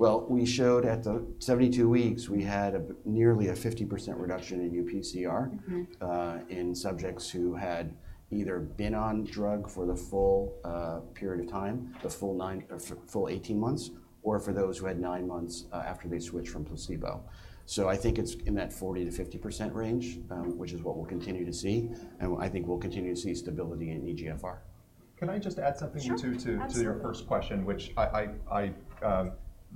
Well, we showed at the 72 weeks, we had nearly a 50% reduction in UPCR. in subjects who had either been on drug for the full period of time, the full 9 or full 18 months, or for those who had 9 months after they switched from placebo. So I think it's in that 40%-50% range, which is what we'll continue to see. And I think we'll continue to see stability in eGFR. Can I just add something to your first question, which I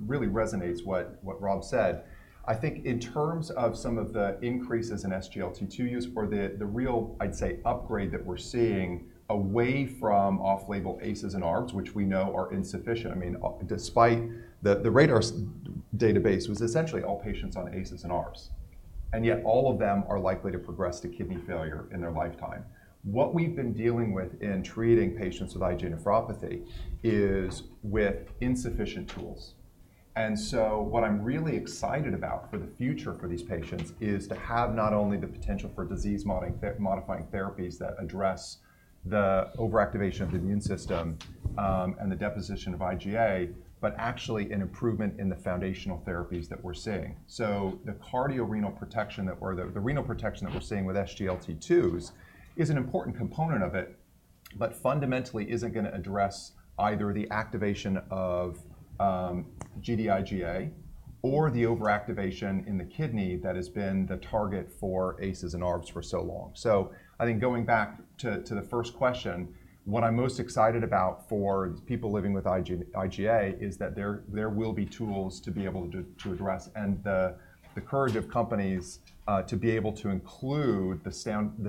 really resonates what Rob said? I think in terms of some of the increases in SGLT2 use or the real, I'd say, upgrade that we're seeing away from off-label ACEs and ARBs, which we know are insufficient, I mean, despite the RaDaR database was essentially all patients on ACEs and ARBs. And yet, all of them are likely to progress to kidney failure in their lifetime. What we've been dealing with in treating patients with IgA nephropathy is with insufficient tools. And so what I'm really excited about for the future for these patients is to have not only the potential for disease-modifying therapies that address the overactivation of the immune system, and the deposition of IgA but actually an improvement in the foundational therapies that we're seeing. So the cardiorenal protection that we're seeing with SGLT2s is an important component of it but fundamentally isn't gonna address either the activation of Gd-IgA1 or the overactivation in the kidney that has been the target for ACEIs and ARBs for so long. So I think going back to the first question, what I'm most excited about for people living with IgA is that there will be tools to be able to address and the courage of companies to be able to include the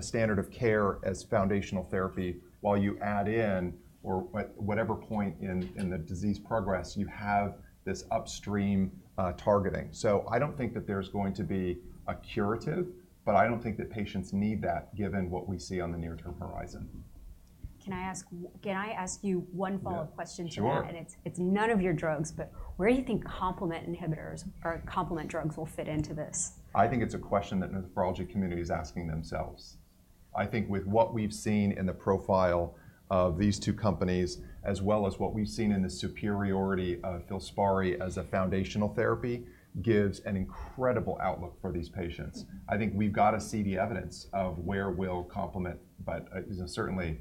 standard of care as foundational therapy while you add in or whatever point in the disease progress you have this upstream targeting. So I don't think that there's going to be a curative. But I don't think that patients need that given what we see on the near-term horizon. Can I ask you one follow-up question to that? Sure. It's, it's none of your drugs. But where do you think complement inhibitors or complement drugs will fit into this? I think it's a question that nephrology community is asking themselves. I think with what we've seen in the profile of these two companies as well as what we've seen in the superiority of Filspari as a foundational therapy gives an incredible outlook for these patients. I think we've gotta see the evidence of where will complement. But, you know, certainly,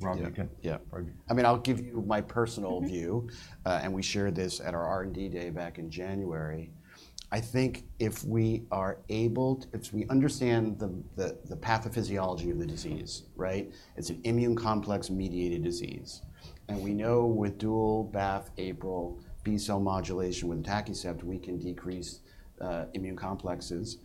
Rob, you can? Yeah. Yeah. I mean, I'll give you my personal view. We shared this at our R&D day back in January. I think if we understand the pathophysiology of the disease, right, it's an immune complex-mediated disease. And we know with dual BAFF, APRIL B-cell modulation with atacicept, we can decrease immune complexes.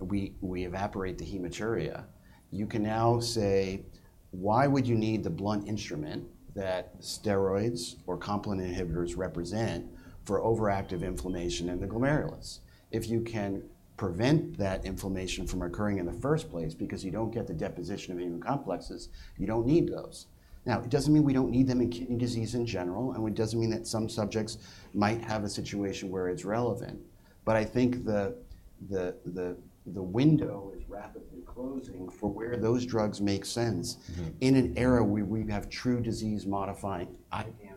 We evaporate the hematuria. You can now say, "Why would you need the blunt instrument that steroids or complement inhibitors represent for overactive inflammation in the glomerulus?" If you can prevent that inflammation from occurring in the first place because you don't get the deposition of immune complexes, you don't need those. Now, it doesn't mean we don't need them in kidney disease in general. It doesn't mean that some subjects might have a situation where it's relevant. But I think the window is rapidly closing for where those drugs make sense. In an era where you have true disease-modifying IgA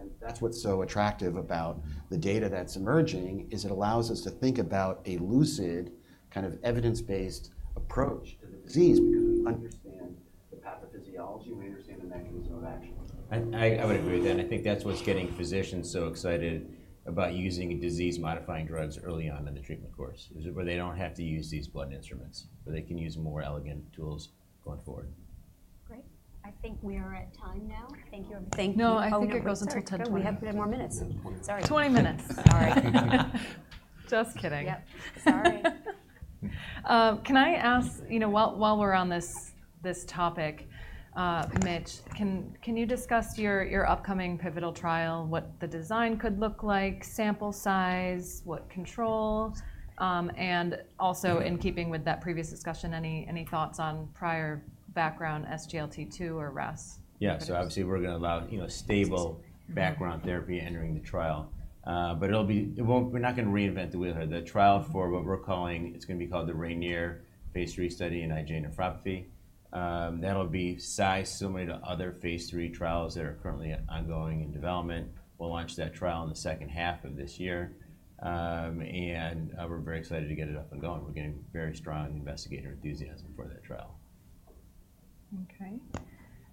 therapies. That's what's so attractive about the data that's emerging is it allows us to think about a lucid kind of evidence-based approach to the disease because we understand the pathophysiology. We understand the mechanism of action. I would agree with that. And I think that's what's getting physicians so excited about using disease-modifying drugs early on in the treatment course is where they don't have to use these blunt instruments where they can use more elegant tools going forward. Great. I think we are at time now. Thank you everybody. Thank you. No, I think it goes until 10:20. We have 10 more minutes. Sorry. 20 minutes. All right. Just kidding. Yep. Sorry. Can I ask, you know, while we're on this topic, Mitch, can you discuss your upcoming pivotal trial, what the design could look like, sample size, what control? And also, in keeping with that previous discussion, any thoughts on prior background SGLT2 or RAAS? Yeah. So obviously, we're gonna allow, you know, stable background therapy entering the trial. But it'll be. It won't. We're not gonna reinvent the wheel here. The trial for what we're calling, it's gonna be called the Rainier phase III study in IgA nephropathy. That'll be size similar to other phase III trials that are currently ongoing in development. We'll launch that trial in the second half of this year. We're very excited to get it up and going. We're getting very strong investigator enthusiasm for that trial. Okay.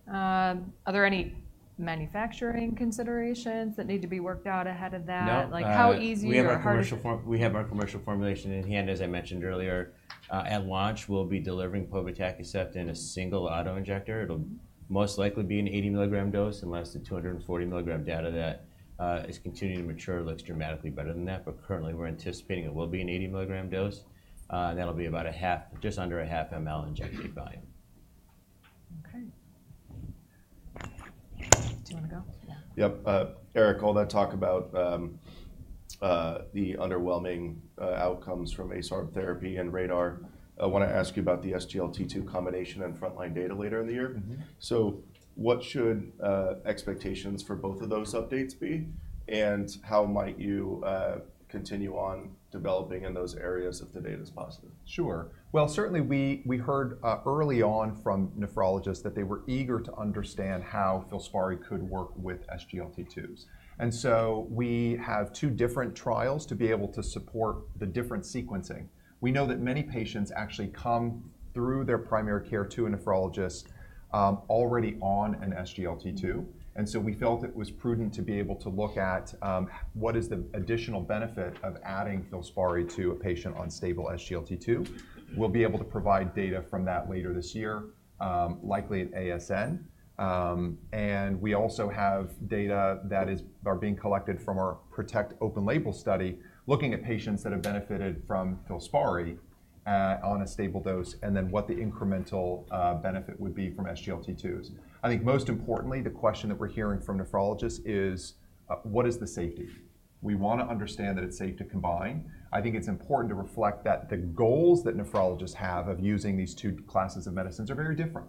Are there any manufacturing considerations that need to be worked out ahead of that? No. Like, how easy or hard to? We have our commercial form we have our commercial formulation in hand, as I mentioned earlier. At launch, we'll be delivering povetacicept in a single autoinjector. It'll most likely be an 80-milligram dose. And unless the 240-milligram data that is continuing to mature looks dramatically better than that. But currently, we're anticipating it will be an 80-milligram dose. And that'll be about a half, just under a half mL injectate volume. Okay. Do you wanna go? Yeah. Yep. Eric, all that talk about the underwhelming outcomes from ACE/ARB therapy and RAAS, I wanna ask you about the SGLT2 combination and frontline data later in the year. So what should expectations for both of those updates be? And how might you continue on developing in those areas if the data's positive? Sure. Well, certainly, we heard early on from nephrologists that they were eager to understand how Filspari could work with SGLT2s. And so we have two different trials to be able to support the different sequencing. We know that many patients actually come through their primary care to a nephrologist, already on an SGLT2. And so we felt it was prudent to be able to look at what is the additional benefit of adding Filspari to a patient on stable SGLT2. We'll be able to provide data from that later this year, likely at ASN. We also have data that are being collected from our PROTECT Open-Label study looking at patients that have benefited from Filspari, on a stable dose and then what the incremental benefit would be from SGLT2s. I think most importantly, the question that we're hearing from nephrologists is, what is the safety? We wanna understand that it's safe to combine. I think it's important to reflect that the goals that nephrologists have of using these two classes of medicines are very different.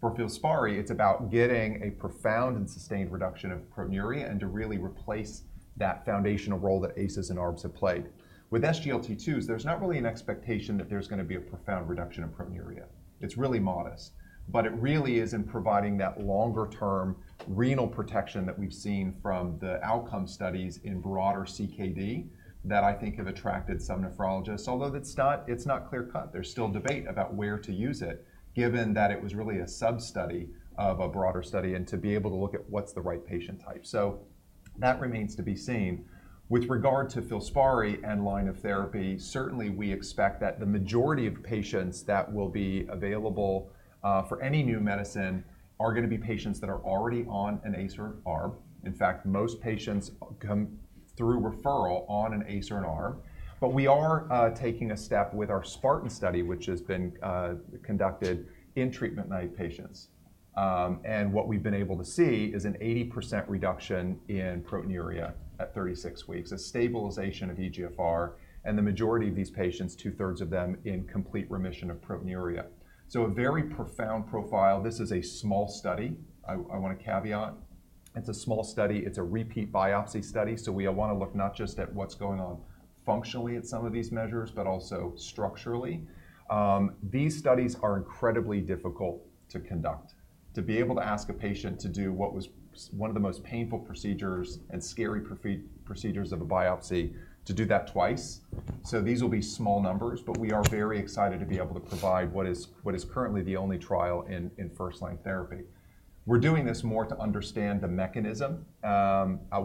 For Filspari, it's about getting a profound and sustained reduction of proteinuria and to really replace that foundational role that ACEs and ARBs have played. With SGLT2s, there's not really an expectation that there's gonna be a profound reduction in proteinuria. It's really modest. But it really is in providing that longer-term renal protection that we've seen from the outcome studies in broader CKD that I think have attracted some nephrologists. Although that's not, it's not clear-cut. There's still debate about where to use it given that it was really a sub-study of a broader study and to be able to look at what's the right patient type. So that remains to be seen. With regard to Filspari and line of therapy, certainly, we expect that the majority of patients that will be available for any new medicine are gonna be patients that are already on an ACE or an ARB. In fact, most patients come through referral on an ACE or an ARB. But we are taking a step with our SPARTAN study, which has been conducted in treatment-naïve patients. What we've been able to see is an 80% reduction in proteinuria at 36 weeks, a stabilization of eGFR, and the majority of these patients, two-thirds of them, in complete remission of proteinuria. So a very profound profile. This is a small study. I, I wanna caveat. It's a small study. It's a repeat biopsy study. So we wanna look not just at what's going on functionally at some of these measures but also structurally. These studies are incredibly difficult to conduct, to be able to ask a patient to do what was one of the most painful procedures and scary procedures of a biopsy, to do that twice. So these will be small numbers. But we are very excited to be able to provide what is what is currently the only trial in, in first-line therapy. We're doing this more to understand the mechanism.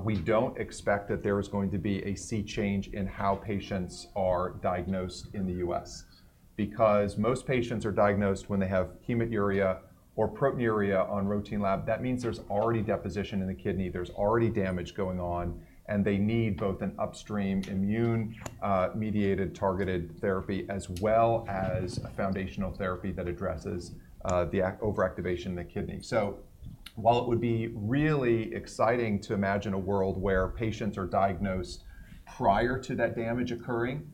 We don't expect that there is going to be a sea change in how patients are diagnosed in the U.S. because most patients are diagnosed when they have hematuria or proteinuria on routine lab. That means there's already deposition in the kidney. There's already damage going on. And they need both an upstream immune-mediated targeted therapy as well as a foundational therapy that addresses the overactivation in the kidney. So while it would be really exciting to imagine a world where patients are diagnosed prior to that damage occurring,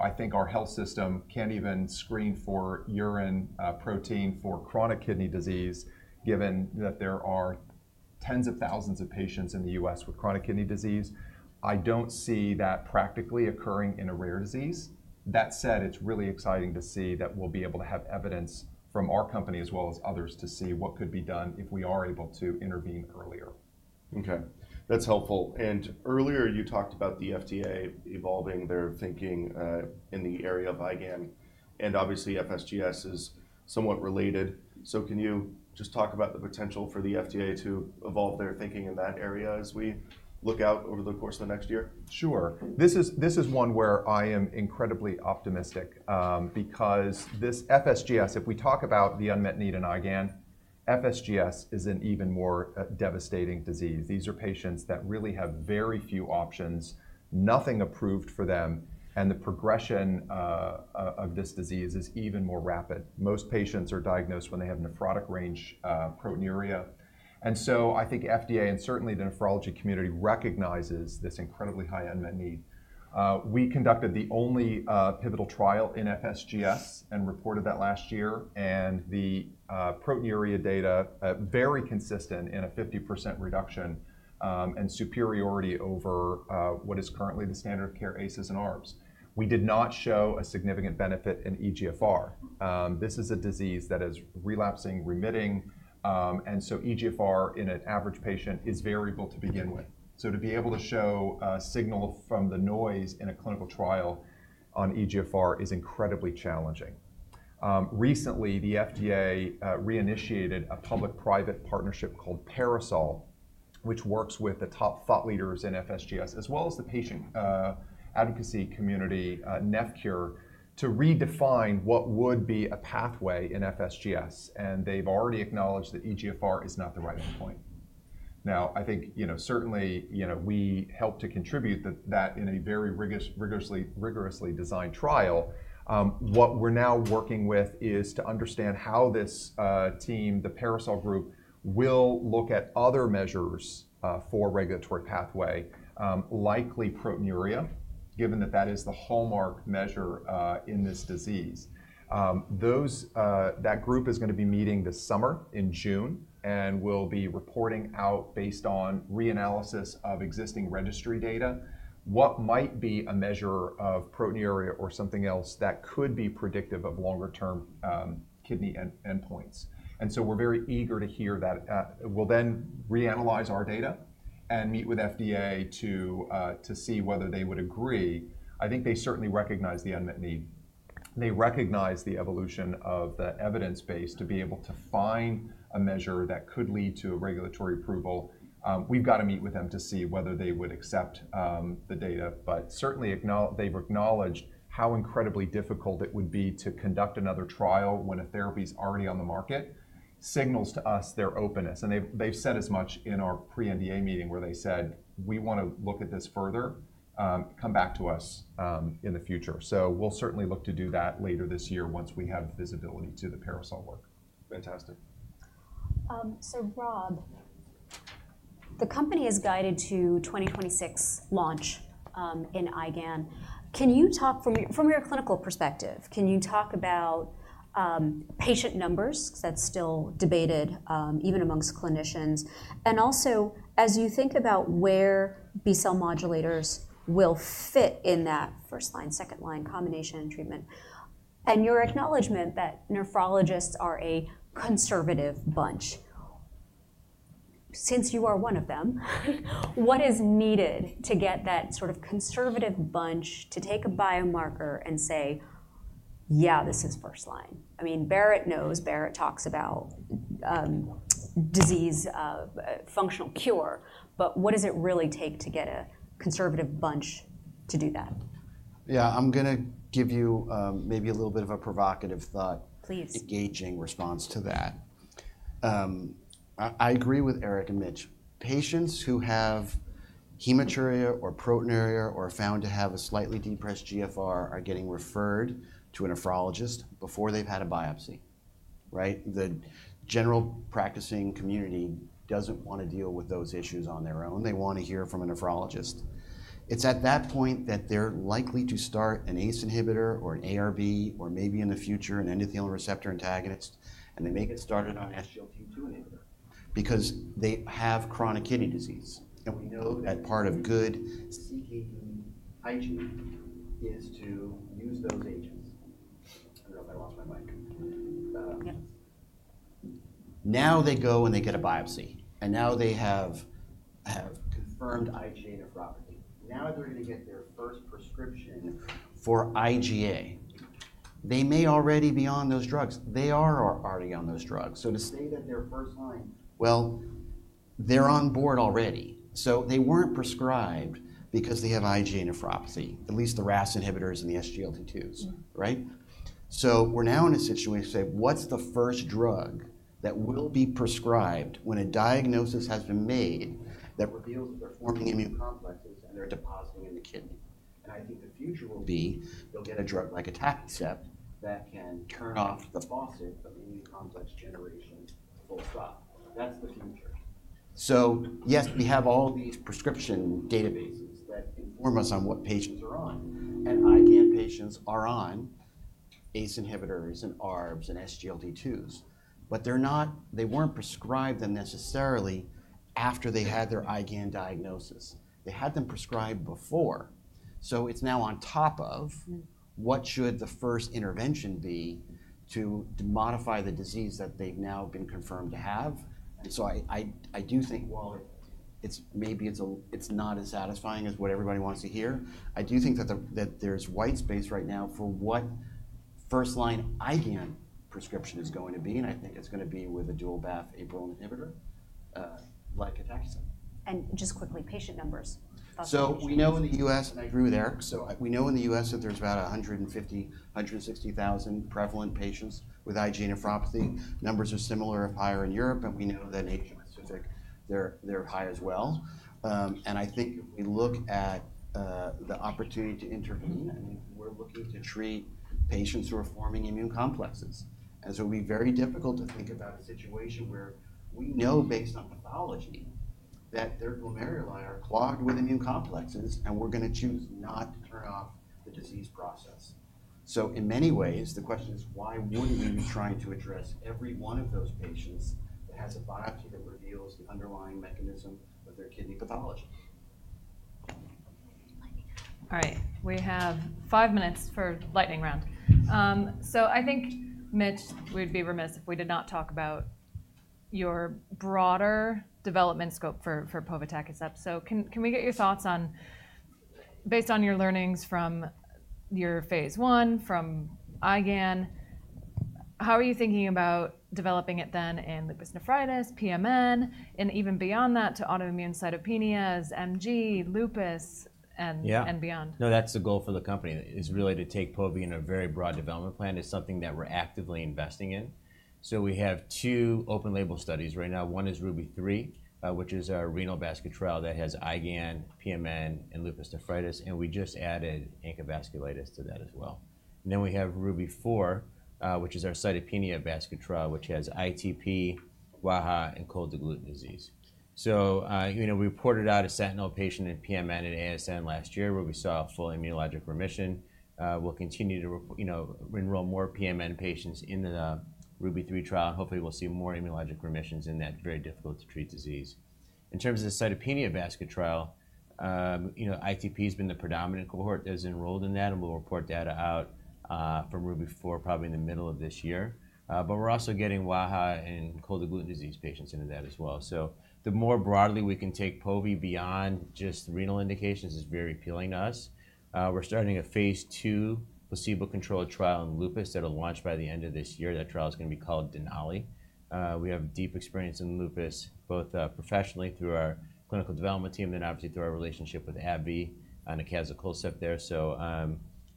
I think our health system can't even screen for urine protein for chronic kidney disease given that there are tens of thousands of patients in the U.S. with chronic kidney disease. I don't see that practically occurring in a rare disease. That said, it's really exciting to see that we'll be able to have evidence from our company as well as others to see what could be done if we are able to intervene earlier. Okay. That's helpful. Earlier, you talked about the FDA evolving their thinking in the area of IgA. Obviously, FSGS is somewhat related. So can you just talk about the potential for the FDA to evolve their thinking in that area as we look out over the course of the next year? Sure. This is one where I am incredibly optimistic, because this FSGS, if we talk about the unmet need in IgA, FSGS is an even more devastating disease. These are patients that really have very few options, nothing approved for them. The progression of this disease is even more rapid. Most patients are diagnosed when they have nephrotic-range proteinuria. And so I think FDA and certainly the nephrology community recognizes this incredibly high unmet need. We conducted the only, pivotal trial in FSGS and reported that last year. And the, proteinuria data, very consistent in a 50% reduction, and superiority over, what is currently the standard of care ACEs and ARBs. We did not show a significant benefit in eGFR. This is a disease that is relapsing, remitting. And so eGFR in an average patient is variable to begin with. So to be able to show a signal from the noise in a clinical trial on eGFR is incredibly challenging. Recently, the FDA, reinitiated a public-private partnership called PARASOL, which works with the top thought leaders in FSGS as well as the patient, advocacy community, NephCure to redefine what would be a pathway in FSGS. And they've already acknowledged that eGFR is not the right endpoint. Now, I think, you know, certainly, you know, we helped to contribute that in a very rigorously designed trial. What we're now working with is to understand how this team, the PARASOL group, will look at other measures for regulatory pathway, likely proteinuria given that that is the hallmark measure in this disease. That group is gonna be meeting this summer in June and will be reporting out based on reanalysis of existing registry data what might be a measure of proteinuria or something else that could be predictive of longer-term kidney endpoints. And so we're very eager to hear that. We'll then reanalyze our data and meet with FDA to see whether they would agree. I think they certainly recognize the unmet need. They recognize the evolution of the evidence base to be able to find a measure that could lead to a regulatory approval. We've gotta meet with them to see whether they would accept the data. But certainly, they've acknowledged how incredibly difficult it would be to conduct another trial when a therapy's already on the market, signals to us their openness. And they've said as much in our pre-NDA meeting where they said, "We wanna look at this further. Come back to us in the future." So we'll certainly look to do that later this year once we have visibility to the PARASOL work. Fantastic. So, Rob, the company is guided to 2026 launch in IgA. Can you talk from your clinical perspective, can you talk about patient numbers 'cause that's still debated, even amongst clinicians? And also, as you think about where B-cell modulators will fit in that first-line, second-line combination treatment and your acknowledgment that nephrologists are a conservative bunch, since you are one of them, what is needed to get that sort of conservative bunch to take a biomarker and say, "Yeah, this is first-line"? I mean, Barratt knows. Barratt talks about disease functional cure. But what does it really take to get a conservative bunch to do that? Yeah. I'm gonna give you, maybe a little bit of a provocative thought. Please. Engaging response to that. I agree with Eric and Mitch. Patients who have hematuria or proteinuria or found to have a slightly depressed GFR are getting referred to a nephrologist before they've had a biopsy, right? The general practicing community doesn't wanna deal with those issues on their own. They wanna hear from a nephrologist. It's at that point that they're likely to start an ACE inhibitor or an ARB or maybe in the future an endothelin receptor antagonist. And they make it started on SGLT2 inhibitor. Because they have chronic kidney disease. And we know that part of good. CKD IgA is to use those agents. I don't know if I lost my mic. Yep. Now, they go and they get a biopsy. And now, they have confirmed IgA nephropathy. Now, they're gonna get their first prescription for IgA. They may already be on those drugs. They are already on those drugs. So to say that they're first-line. Well, they're on board already. So they weren't prescribed because they have IgA nephropathy, at least the RAS inhibitors and the SGLT2s, right? So we're now in a situation to say, "What's the first drug that will be prescribed when a diagnosis has been made that reveals that they're forming immune complexes and they're depositing in the kidney?" And I think the future will be they'll get a drug like atacicept that can turn off the faucet of immune complex generation full stop. That's the future. So yes, we have all these prescription databases that inform us on what patients are on. IgA patients are on ACE inhibitors and ARBs and SGLT2s. But they weren't prescribed them necessarily after they had their IgA diagnosis. They had them prescribed before. So it's now on top of what should the first intervention be to modify the disease that they've now been confirmed to have. And so I do think while it's maybe not as satisfying as what everybody wants to hear, I do think that there's white space right now for what first-line IgA prescription is going to be. And I think it's gonna be with a dual BAFF/APRIL inhibitor, like atacicept. Just quickly, patient numbers. Thoughts on that? So we know in the U.S. and I agree with Eric. So we know in the U.S. that there's about 150,000-160,000 prevalent patients with IgA nephropathy. Numbers are similar, if higher, in Europe. And we know that in Asia Pacific, they're high as well. And I think if we look at the opportunity to intervene, I mean, we're looking to treat patients who are forming immune complexes. And so it'll be very difficult to think about a situation where we know based on pathology that their glomeruli are clogged with immune complexes. And we're gonna choose not to turn off the disease process. So in many ways, the question is, why wouldn't we be trying to address every one of those patients that has a biopsy that reveals the underlying mechanism of their kidney pathology? Lightning. All right. We have five minutes for lightning round. So I think, Mitch, we'd be remiss if we did not talk about your broader development scope for povetacicept. So can we get your thoughts on based on your learnings from your phase 1 from IgA, how are you thinking about developing it then in lupus nephritis, PMN, and even beyond that to autoimmune cytopenias, MG, lupus, and beyond? Yeah. No, that's the goal for the company is really to take povetacicept in a very broad development plan. It's something that we're actively investing in. So we have two open-label studies right now. One is RUBY-3, which is our renal basket trial that has IgA, PMN, and lupus nephritis. And we just added ANCA vasculitis to that as well. And then we have RUBY-4, which is our cytopenia basket trial, which has ITP, WAHA, and cold agglutinin disease. So, you know, we reported out a sentinel patient in PMN and ASN last year where we saw full immunologic remission. We'll continue to, you know, enroll more PMN patients in the RUBY-3 trial. And hopefully, we'll see more immunologic remissions in that very difficult-to-treat disease. In terms of the cytopenia basket trial, you know, ITP's been the predominant cohort that's enrolled in that. We'll report data out from RUBY-4 probably in the middle of this year. But we're also getting WAHA and cold agglutinin disease patients into that as well. So the more broadly we can take povetacicept beyond just renal indications is very appealing to us. We're starting a phase 2 placebo-controlled trial in lupus that'll launch by the end of this year. That trial's gonna be called Denali. We have deep experience in lupus both professionally through our clinical development team and then obviously through our relationship with AbbVie and acazicolcept there. So,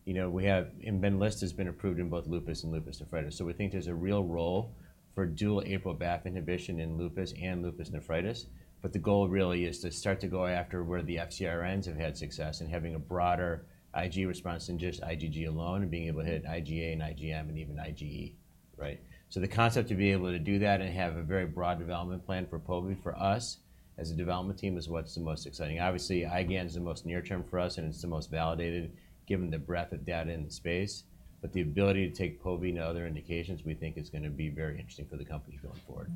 you know, we have Benlysta has been approved in both lupus and lupus nephritis. So we think there's a real role for dual APRIL BAFF inhibition in lupus and lupus nephritis. But the goal really is to start to go after where the FcRNs have had success in having a broader Ig response than just IgG alone and being able to hit IgA and IgM and even IgE, right? So the concept to be able to do that and have a very broad development plan for povetacicept for us as a development team is what's the most exciting. Obviously, IgA is the most near-term for us. And it's the most validated given the breadth of data in the space. But the ability to take povetacicept and other indications, we think, is gonna be very interesting for the company going forward.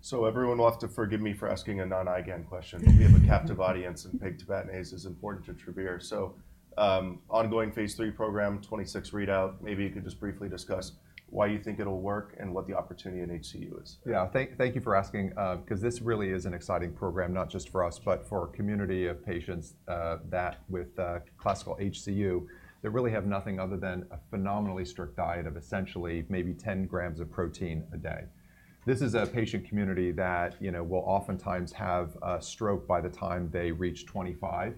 So everyone will have to forgive me for asking a non-IgA question. We have a captive audience. And pegtibatinase is important to Travere. So, ongoing phase 3 program, 2026 readout. Maybe you could just briefly discuss why you think it'll work and what the opportunity in HCU is. Yeah. Thank you for asking, 'cause this really is an exciting program not just for us but for a community of patients that with classical HCU that really have nothing other than a phenomenally strict diet of essentially maybe 10 grams of protein a day. This is a patient community that, you know, will oftentimes have stroke by the time they reach 25,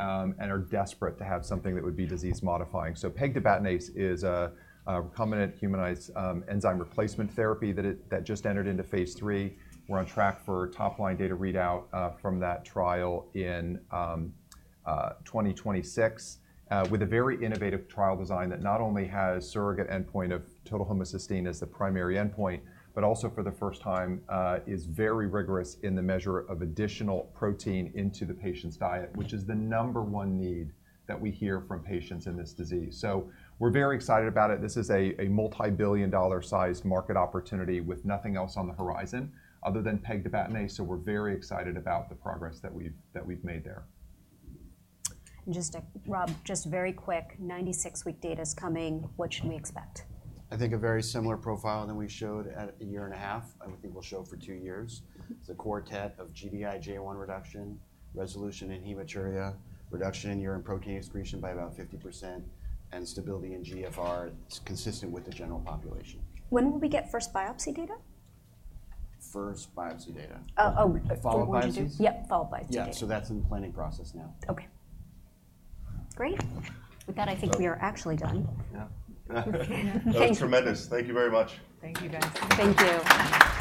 and are desperate to have something that would be disease-modifying. So pegtibatinase is a recombinant humanized enzyme replacement therapy that just entered into phase three. We're on track for top-line data readout from that trial in 2026 with a very innovative trial design that not only has surrogate endpoint of total homocysteine as the primary endpoint but also for the first time is very rigorous in the measure of additional protein into the patient's diet, which is the number one need that we hear from patients in this disease. So we're very excited about it. This is a multibillion-dollar-sized market opportunity with nothing else on the horizon other than pegtibatinase. So we're very excited about the progress that we've made there. Just, Rob, just very quick, 96-week data's coming. What should we expect? I think a very similar profile than we showed at 1.5 years. I think we'll show for 2 years. It's a quartet of Gd-IgA1 reduction, resolution in hematuria, reduction in urine protein excretion by about 50%, and stability in GFR consistent with the general population. When will we get first biopsy data? First biopsy data. Oh, oh. Follow-up biopsies? Yep. Follow-up biopsy data. Yeah. So that's in the planning process now. Okay. Great. With that, I think we are actually done. Yeah. Thank you. That was tremendous. Thank you very much. Thank you, guys. Thank you.